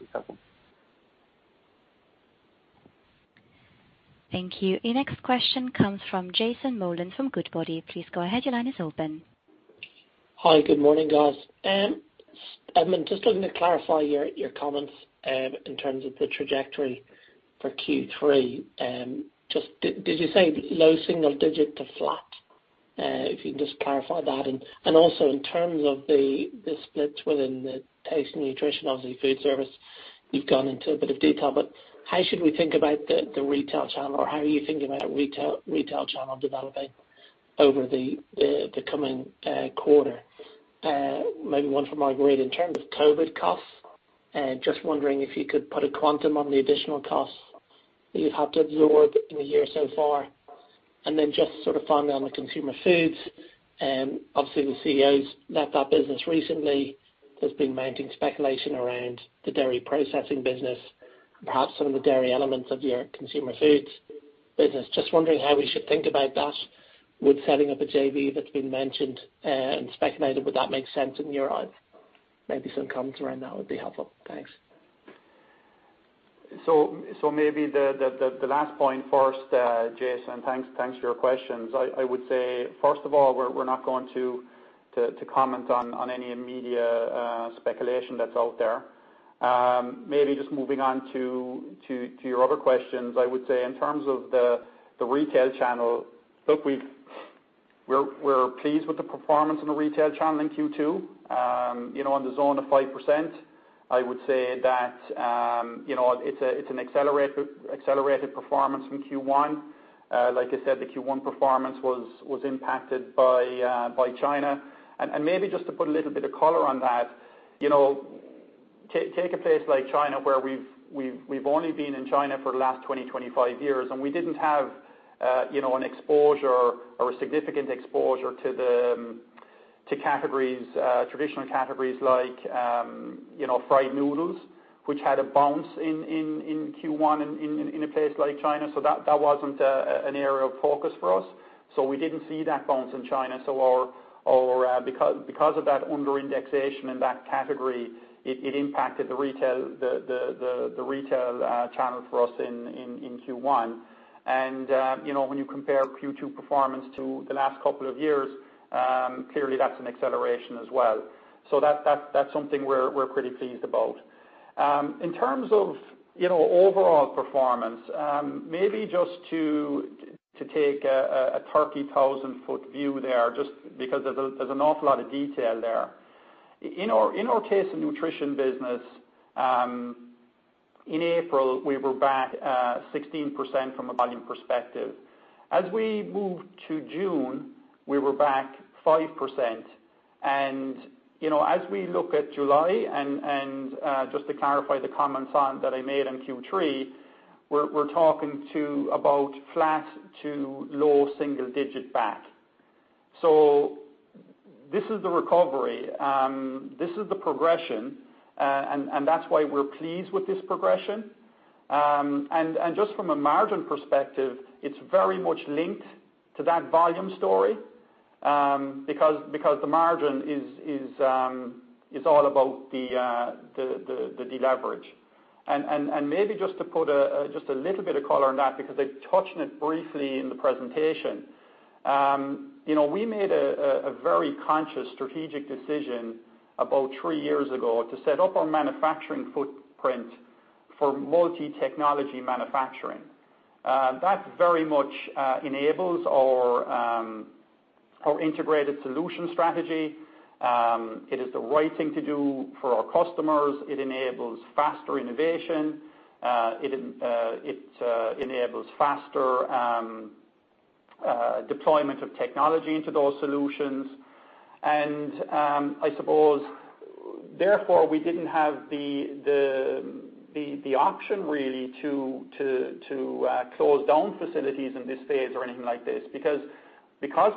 Thank you. Your next question comes from Jason Molins from Goodbody. Please go ahead. Your line is open. Hi. Good morning, guys. Edmond, just looking to clarify your comments in terms of the trajectory for Q3. Did you say low single digit to flat? If you can just clarify that, and also in terms of the splits within the Taste & Nutrition. Obviously, food service, you've gone into a bit of detail, but how should we think about the retail channel, or how are you thinking about the retail channel developing over the coming quarter? Maybe one for Marguerite. In terms of COVID costs, just wondering if you could put a quantum on the additional costs that you've had to absorb in the year so far. Then, just sort of finally, on the Consumer Foods, obviously, the CEO's left that business recently. There's been mounting speculation around the dairy processing business and perhaps some of the dairy elements of your Consumer Foods business. Just wondering how we should think about that. Would setting up a JV that's been mentioned and speculated would that make sense in your eyes? Maybe some comments around that would be helpful. Thanks. Maybe the last point first, Jason. Thanks for your questions. I would say, first of all, we're not going to comment on any media speculation that's out there. Maybe just moving on to your other questions, I would say in terms of the retail channel, look, we're pleased with the performance in the retail channel in Q2. On the zone of 5%, I would say that it's an accelerated performance from Q1. Like I said, the Q1 performance was impacted by China. Maybe just to put a little bit of color on that, take a place like China, where we've only been in China for the last 20, 25 years, and we didn't have an exposure or a significant exposure to categories, traditional categories like fried noodles, which had a bounce in Q1 in a place like China. That wasn't an area of focus for us. We didn't see that bounce in China. Because of that under-indexation in that category, it impacted the retail channel for us in Q1. When you compare Q2 performance to the last couple of years, clearly that's an acceleration as well. That's something we're pretty pleased about. In terms of overall performance, maybe just to take a 30,000-foot view there, just because there's an awful lot of detail there. In our Taste & Nutrition business, in April, we were back 16% from a volume perspective. As we moved to June, we were back 5%. As we look at July, and just to clarify the comments that I made on Q3, we're talking to about flat to low single digit back. This is the recovery. This is the progression, and that's why we're pleased with this progression. Just from a margin perspective, it's very much linked to that volume story, because the margin is all about the deleverage. Maybe just to put just a little bit of color on that, because I touched on it briefly in the presentation. We made a very conscious strategic decision about three years ago to set up our manufacturing footprint for multi-technology manufacturing. That very much enables our integrated solution strategy. It is the right thing to do for our customers. It enables faster innovation. It enables faster deployment of technology into those solutions. I suppose, therefore, we didn't have the option, really, to close down facilities in this phase or anything like this. Because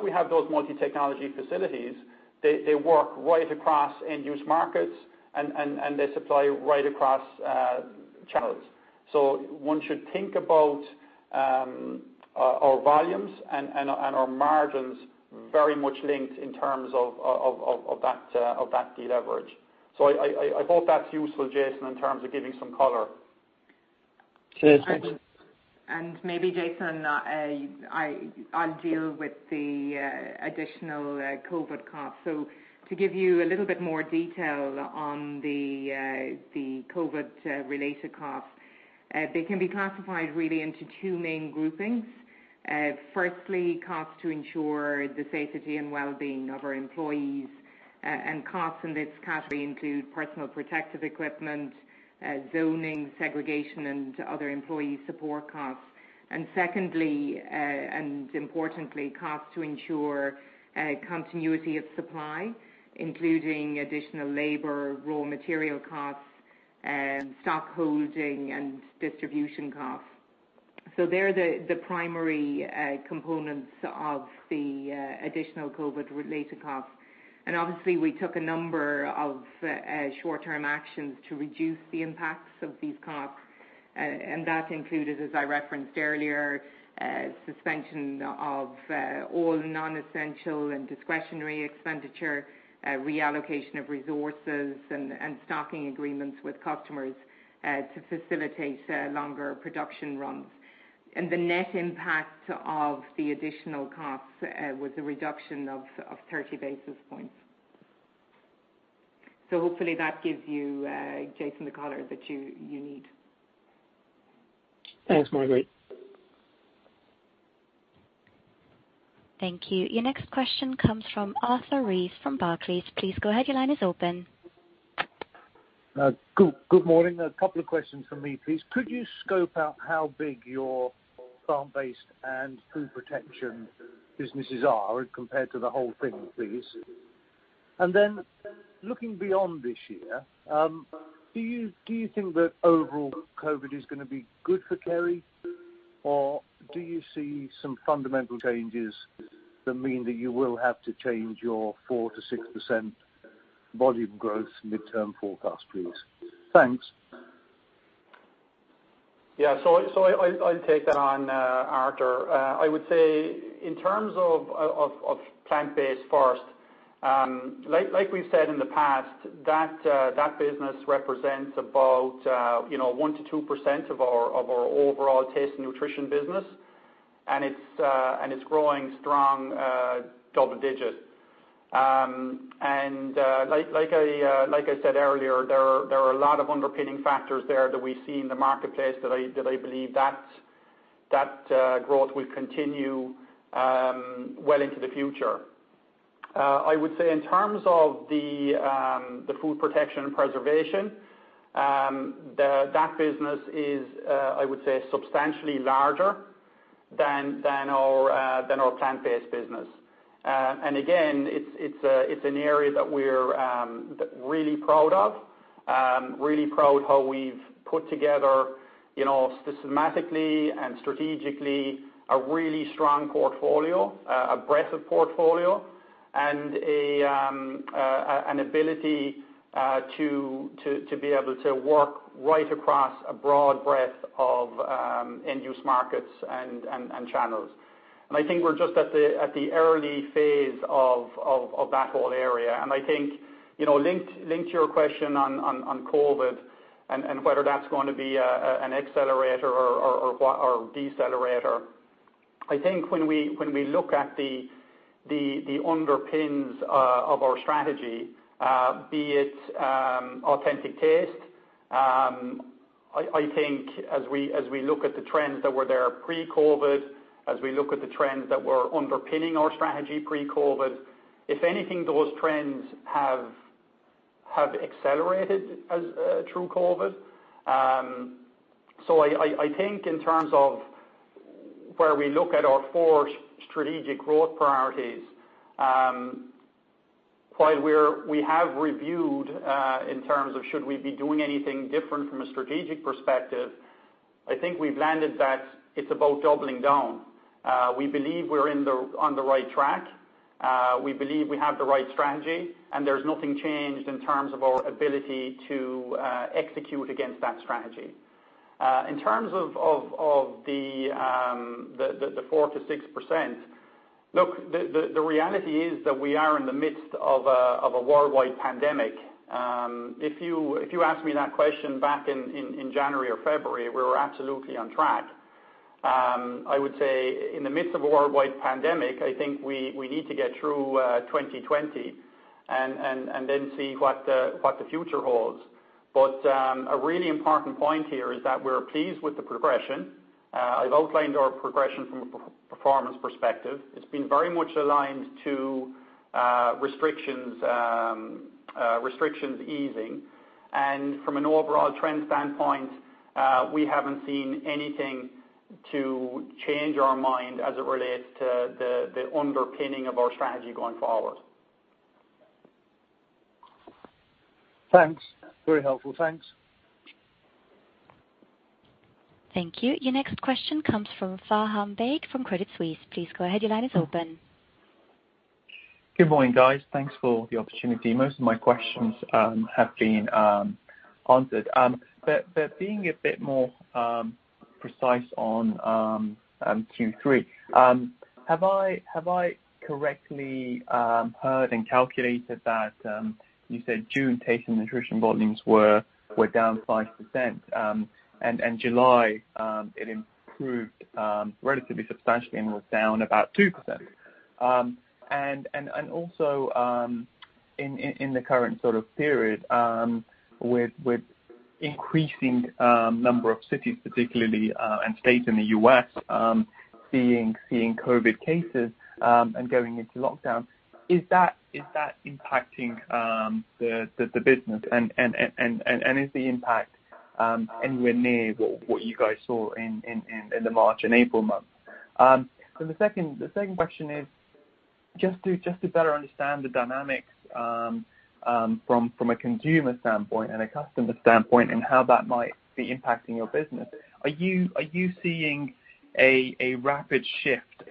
we have those multi-technology facilities, they work right across end-use markets, and they supply right across channels. One should think about our volumes and our margins very much linked in terms of that deleverage. I hope that's useful, Jason, in terms of giving some color. Jason. Maybe, Jason, I'll deal with the additional COVID costs. To give you a little bit more detail on the COVID-related costs, they can be classified into two main groupings. Firstly, costs to ensure the safety and well-being of our employees, and costs in this category include personal protective equipment, zoning, segregation, and other employee support costs. Secondly, and importantly, costs to ensure continuity of supply, including additional labor, raw material costs, stock holding, and distribution costs. They're the primary components of the additional COVID-related costs. Obviously, we took a number of short-term actions to reduce the impacts of these costs, and that included, as I referenced earlier, suspension of all non-essential and discretionary expenditure, reallocation of resources, and stocking agreements with customers to facilitate longer production runs. The net impact of the additional costs was a reduction of 30 basis points. Hopefully, that gives you, Jason, the color that you need. Thanks, Marguerite. Thank you. Your next question comes from Arthur Reeves from Barclays. Please go ahead. Your line is open. Good morning. A couple of questions from me, please. Could you scope out how big your plant-based and food protection businesses are compared to the whole thing, please? Looking beyond this year, do you think that overall COVID is going to be good for Kerry, or do you see some fundamental changes that mean that you will have to change your 4%-6% volume growth midterm forecast, please? Thanks. Yeah. I'll take that on, Arthur. I would say in terms of plant-based first, like we've said in the past, that business represents about 1%-2% of our overall Taste & Nutrition business, and it's growing strong double digits. Like I said earlier, there are a lot of underpinning factors there that we see in the marketplace that I believe that growth will continue well into the future. I would say in terms of the food protection and preservation, that business is, I would say, substantially larger than our plant-based business. Again, it's an area that we're really proud of, really proud of how we've put together systematically and strategically a really strong portfolio, a breadth of portfolio, and an ability to be able to work right across a broad breadth of end-use markets and channels. I think we're just at the early phase of that whole area. I think linked to your question on COVID and whether that's going to be an accelerator or decelerator, I think when we look at the underpinnings of our strategy, be it authentic taste, I think as we look at the trends that were there pre-COVID, as we look at the trends that were underpinning our strategy pre-COVID, if anything, those trends have accelerated through COVID. I think in terms of where we look at our four strategic growth priorities, while we have reviewed in terms of should we be doing anything different from a strategic perspective, I think we've landed that it's about doubling down. We believe we're on the right track. We believe we have the right strategy, and there's nothing changed in terms of our ability to execute against that strategy. In terms of the 4%-6%, look, the reality is that we are in the midst of a worldwide pandemic. If you asked me that question back in January or February, we were absolutely on track. I would say in the midst of a worldwide pandemic, I think we need to get through 2020 and then see what the future holds. A really important point here is that we're pleased with the progression. I've outlined our progression from a performance perspective. It's been very much aligned to restrictions easing. From an overall trend standpoint, we haven't seen anything to change our minds as it relates to the underpinning of our strategy going forward. Thanks. Very helpful. Thanks. Thank you. Your next question comes from Faham Baig from Credit Suisse. Please go ahead. Your line is open. Good morning, guys. Thanks for the opportunity. Most of my questions have been answered. Being a bit more precise on Q3, have I correctly heard and calculated that you said June Taste & Nutrition volumes were down 5%, and July it improved relatively substantially and was down about 2%? Also, in the current sort of period, with increasing number of cities, particularly, and states in the U.S., seeing COVID cases, and going into lockdown, is that impacting the business? Is the impact anywhere near what you guys saw in the March and April months? The second question is, just to better understand the dynamics from a consumer standpoint and a customer standpoint, and how that might be impacting your business, are you seeing a rapid shift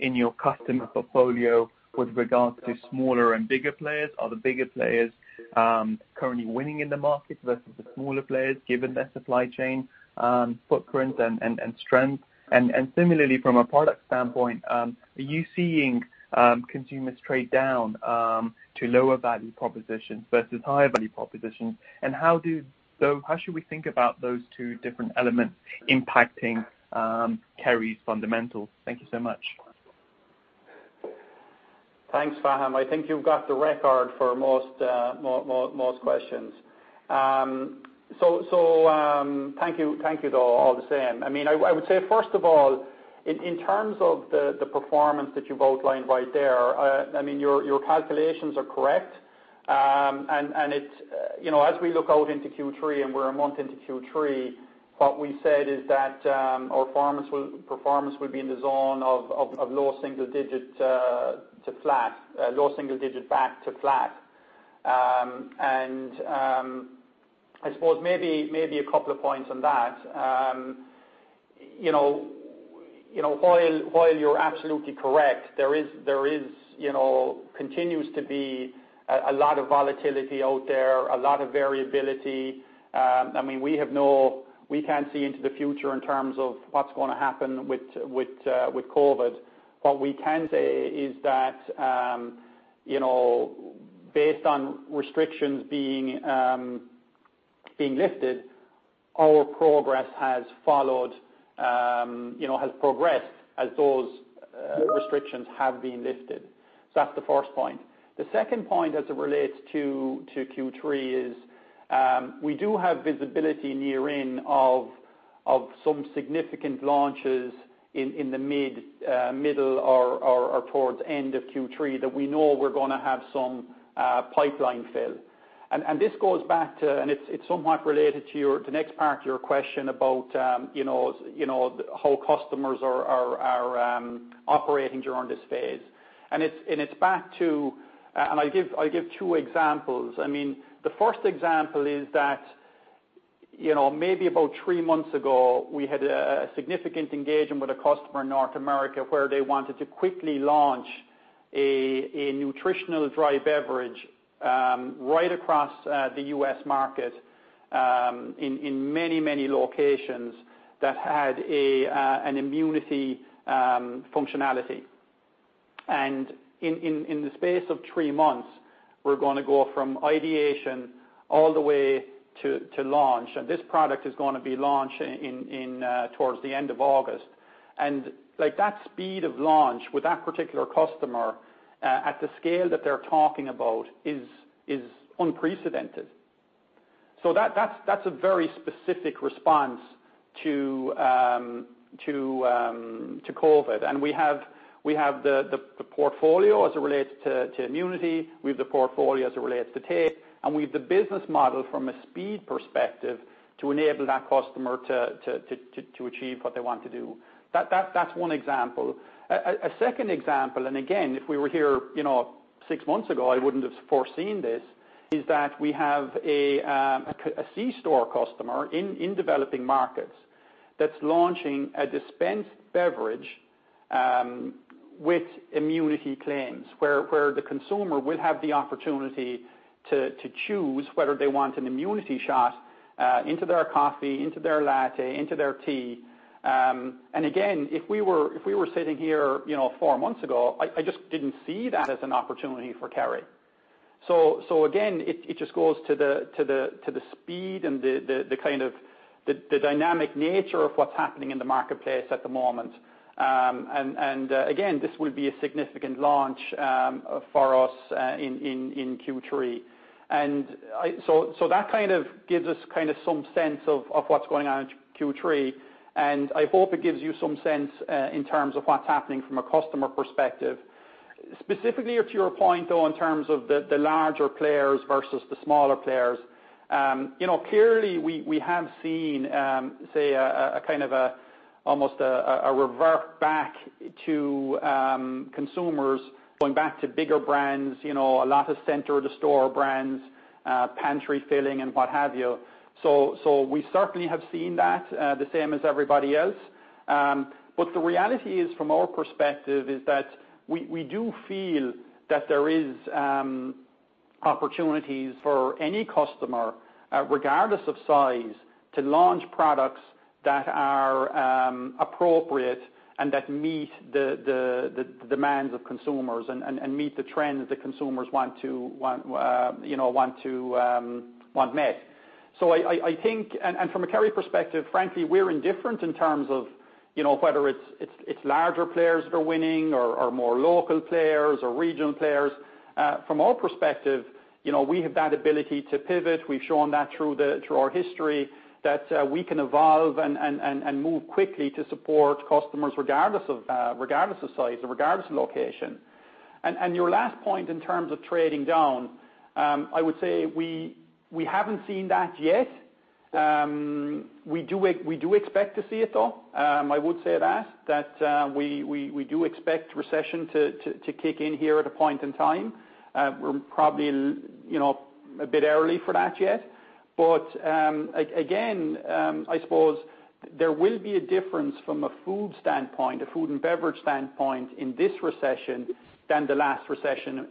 in your customer portfolio with regard to smaller and bigger players? Are the bigger players currently winning in the market versus the smaller players, given their supply chain footprint and strength? Similarly, from a product standpoint, are you seeing consumers trade down to lower value propositions versus higher value propositions? How should we think about those two different elements impacting Kerry's fundamentals? Thank you so much. Thanks, Faham. I think you've got the record for most questions. Thank you, though, all the same. I would say, first of all, in terms of the performance that you've outlined right there, your calculations are correct. As we look out into Q3, and we're a month into Q3, what we said is that our performance will be in the zone of low single digit back to flat. I suppose maybe a couple of points on that. While you're absolutely correct, there continues to be a lot of volatility out there, a lot of variability. We can't see into the future in terms of what's going to happen with COVID-19. What we can say is that based on restrictions being lifted, our progress has progressed as those restrictions have been lifted. That's the first point. The second point, as it relates to Q3, is, we do have visibility near in of some significant launches in the middle or towards end of Q3, that we know we're going to have some pipeline fill. This goes back to, and it's somewhat related to, the next part of your question about how customers are operating during this phase. I give two examples. The first example is that maybe about three months ago, we had a significant engagement with a customer in North America, where they wanted to quickly launch a nutritional dry beverage right across the U.S. market in many locations that had an immunity functionality. In the space of three months, we're going to go from ideation all the way to launch. This product is going to be launched towards the end of August. That speed of launch with that particular customer at the scale that they're talking about is unprecedented. That's a very specific response to COVID-19. We have the portfolio as it relates to immunity, we have the portfolio as it relates to taste, and we have the business model from a speed perspective to enable that customer to achieve what they want to do. That's one example. A second example, and again, if we were here six months ago, I wouldn't have foreseen this, is that we have a C-store customer in developing markets that's launching a dispensed beverage with immunity claims, where the consumer will have the opportunity to choose whether they want an immunity shot into their coffee, into their latte, into their tea. Again, if we were sitting here four months ago, I just didn't see that as an opportunity for Kerry. Again, it just goes to the speed and the dynamic nature of what's happening in the marketplace at the moment. Again, this will be a significant launch for us in Q3. That gives us some sense of what's going on in Q3, and I hope it gives you some sense in terms of what's happening from a customer perspective. Specifically to your point, though, in terms of the larger players versus the smaller players. Clearly, we have seen almost a revert back to consumers going back to bigger brands, a lot of center-to-store brands, pantry filling, and what have you. We certainly have seen that the same as everybody else. The reality from our perspective is that we do feel that there is opportunities for any customer, regardless of size, to launch products that are appropriate and that meet the demands of consumers and meet the trends that consumers want met. From a Kerry perspective, frankly, we're indifferent in terms of whether it's larger players that are winning or more local players or regional players. From our perspective, we have that ability to pivot. We've shown that through our history, that we can evolve and move quickly to support customers regardless of size or regardless of location. Your last point in terms of trading down, I would say we haven't seen that yet. We do expect to see it, though. I would say that we do expect the recession to kick in here at a point in time. We're probably a bit early for that yet. Again, I suppose there will be a difference from a food and beverage standpoint in this recession than the last recession,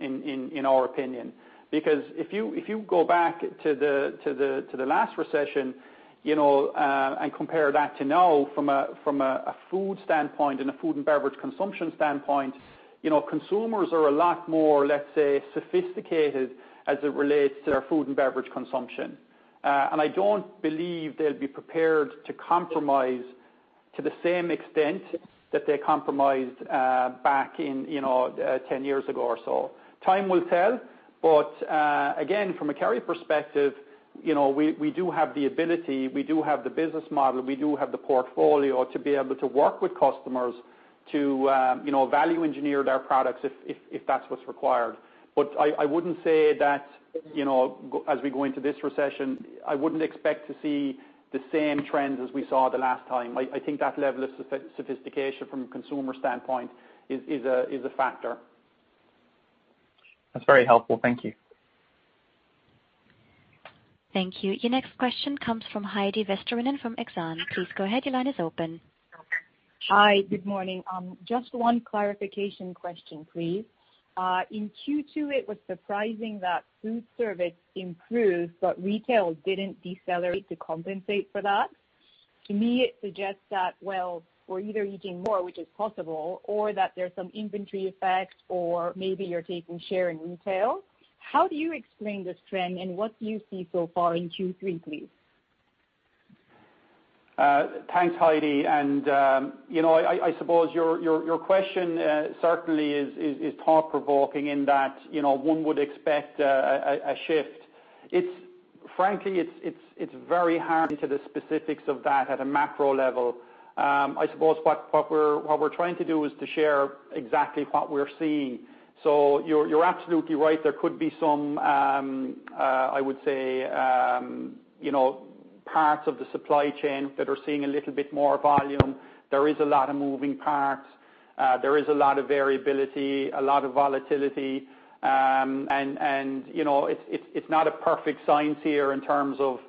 in our opinion. If you go back to the last recession and compare that to now from a food standpoint and a food and beverage consumption standpoint, consumers are a lot more, let's say, sophisticated as it relates to their food and beverage consumption. I don't believe they'll be prepared to compromise to the same extent that they compromised back 10 years ago or so. Time will tell. Again, from a Kerry perspective, we do have the ability, we do have the business model, we do have the portfolio to be able to work with customers to value engineer their products if that's what's required. I wouldn't say that as we go into this recession, I wouldn't expect to see the same trends as we saw the last time. I think that level of sophistication from a consumer standpoint is a factor. That's very helpful. Thank you. Thank you. Your next question comes from Heidi Vesterinen from Exane. Please go ahead. Your line is open. Hi. Good morning. Just one clarification question, please. In Q2, it was surprising that food service improved, but retail didn't decelerate to compensate for that. To me, it suggests that, well, we're either eating more, which is possible, or that there's some inventory effect, or maybe you're taking share in retail. How do you explain this trend, and what do you see so far in Q3, please? Thanks, Heidi. I suppose your question certainly is thought-provoking in that one would expect a shift. Frankly, it's very hard into the specifics of that at a macro level. I suppose what we're trying to do is to share exactly what we're seeing. You're absolutely right. There could be some, I would say, parts of the supply chain that are seeing a little bit more volume. There is a lot of moving parts. There is a lot of variability, a lot of volatility. It's not a perfect science here in terms of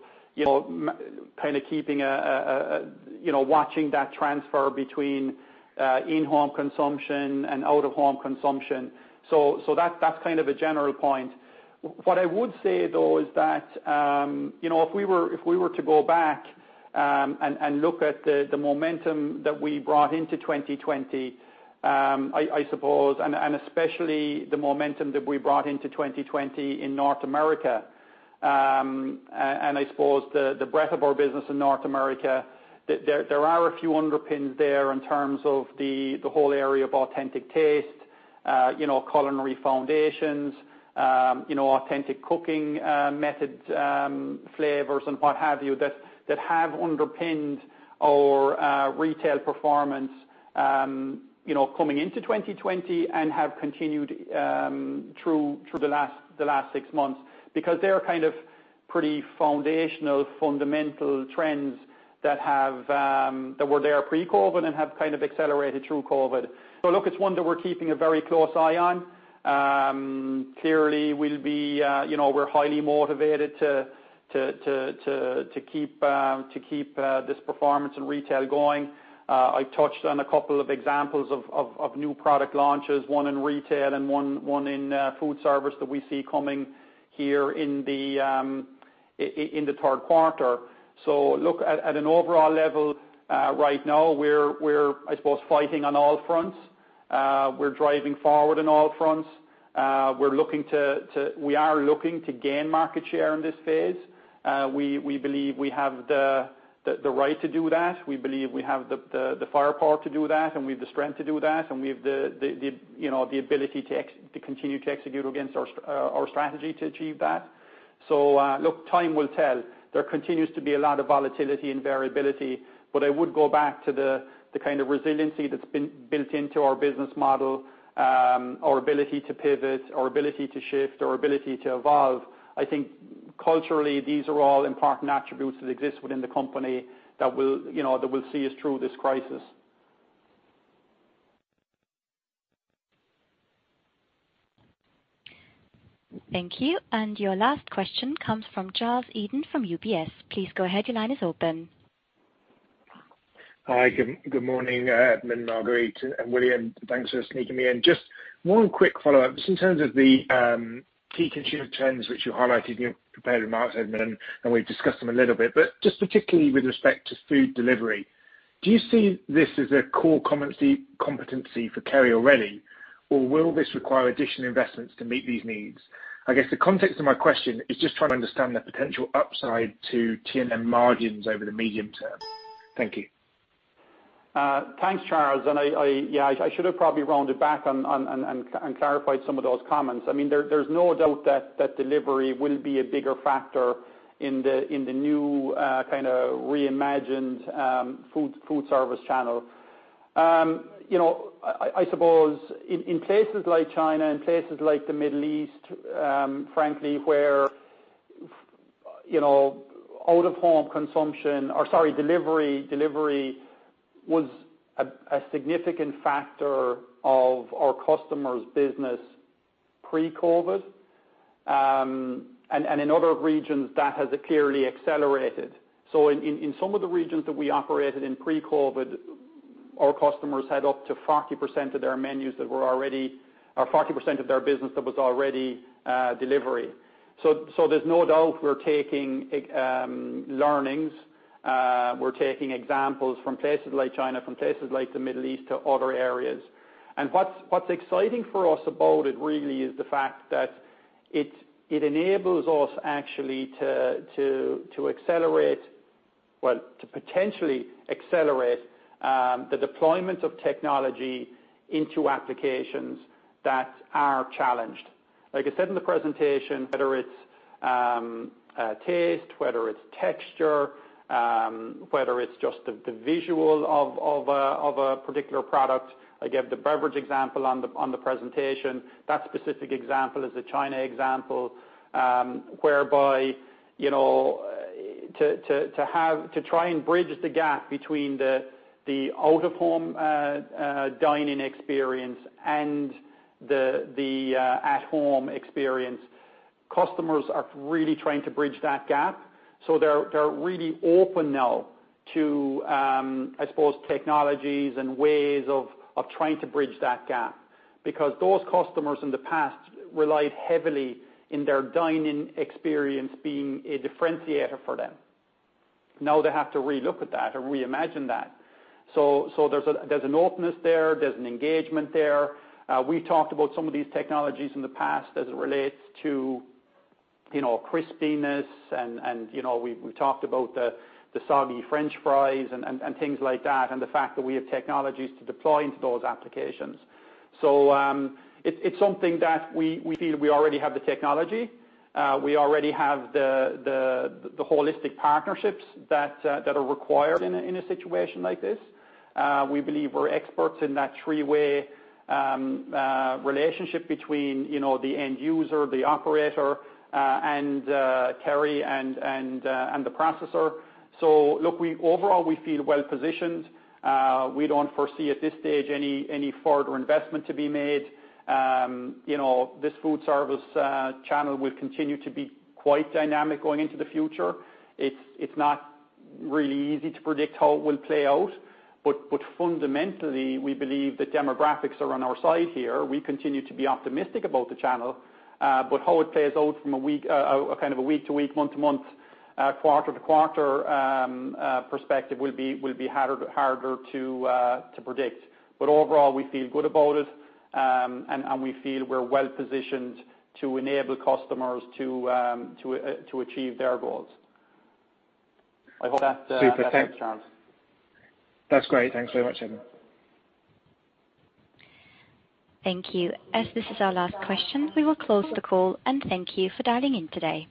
watching that transfer between in-home consumption and out-of-home consumption. That's kind of a general point. What I would say, though, is that if we were to go back and look at the momentum that we brought into 2020, and especially the momentum that we brought into 2020 in North America, and I suppose the breadth of our business in North America, there are a few underpins there in terms of the whole area of authentic taste, culinary foundations, authentic cooking methods, flavors, and what have you that have underpinned our retail performance coming into 2020 and have continued through the last six months. Because they are kind of pretty foundational, fundamental trends that were there pre-COVID and have kind of accelerated through COVID. Look, it's one that we're keeping a very close eye on. Clearly, we're highly motivated to keep this performance in retail going. I touched on a couple of examples of new product launches, one in retail and one in foodservice, that we see coming here in the third quarter. Look, at an overall level right now, we're, I suppose, fighting on all fronts. We're driving forward on all fronts. We are looking to gain market share in this phase. We believe we have the right to do that. We believe we have the firepower to do that, and we have the strength to do that, and we have the ability to continue to execute against our strategy to achieve that. Look, time will tell. There continues to be a lot of volatility and variability, but I would go back to the kind of resiliency that's been built into our business model, our ability to pivot, our ability to shift, our ability to evolve. I think culturally, these are all important attributes that exist within the company that will see us through this crisis. Thank you. Your last question comes from Charles Eden from UBS. Please go ahead. Your line is open. Hi, good morning, Edmond, Marguerite, and William. Thanks for sneaking me in. Just one quick follow-up. Just in terms of the key consumer trends which you highlighted in your prepared remarks, Edmond, and we've discussed them a little bit, but just particularly with respect to food delivery, do you see this as a core competency for Kerry already, or will this require additional investments to meet these needs? I guess the context of my question is just trying to understand the potential upside to T&N margins over the medium term. Thank you. Thanks, Charles. I should have probably rounded back and clarified some of those comments. There's no doubt that delivery will be a bigger factor in the new kind of reimagined foodservice channel. I suppose in places like China and places like the Middle East, frankly, where out-of-home consumption or, sorry, delivery was a significant factor of our customers' business pre-COVID-19, and in other regions that has clearly accelerated. In some of the regions that we operated in pre-COVID-19, our customers had up to 40% of their business that was already delivered. There's no doubt we're taking learnings. We're taking examples from places like China, from places like the Middle East, to other areas. What's exciting for us about it really is the fact that it enables us to actually accelerate, well, to potentially accelerate the deployment of technology into applications that are challenged. Like I said in the presentation, whether it's taste, whether it's texture, whether it's just the visual of a particular product. I gave the beverage example on the presentation. That specific example is the China example, whereby to try and bridge the gap between the out-of-home dine-in experience and the at-home experience. Customers are really trying to bridge that gap, so they're really open now to technologies and ways of trying to bridge that gap because those customers in the past relied heavily in their dine-in experience being a differentiator for them. Now they have to relook at that and reimagine that. There's an openness there. There's an engagement there. We talked about some of these technologies in the past as it relates to crispiness, and we talked about the soggy French fries and things like that, and the fact that we have technologies to deploy into those applications. It's something that we feel we already have the technology. We already have the holistic partnerships that are required in a situation like this. We believe we're experts in that three-way relationship between the end user, the operator, and Kerry, and the processor. Look, overall, we feel well-positioned. We don't foresee at this stage any further investment to be made. This foodservice channel will continue to be quite dynamic going into the future. It's not really easy to predict how it will play out, but fundamentally, we believe the demographics are on our side here. We continue to be optimistic about the channel, but how it plays out from a kind of a week-to-week, month-to-month, quarter-to-quarter perspective will be harder to predict. Overall, we feel good about it, and we feel we're well-positioned to enable customers to achieve their goals. I hope that answers, Charles. That's great. Thanks very much, Edmond. Thank you. As this is our last question, we will close the call and thank you for dialing in today.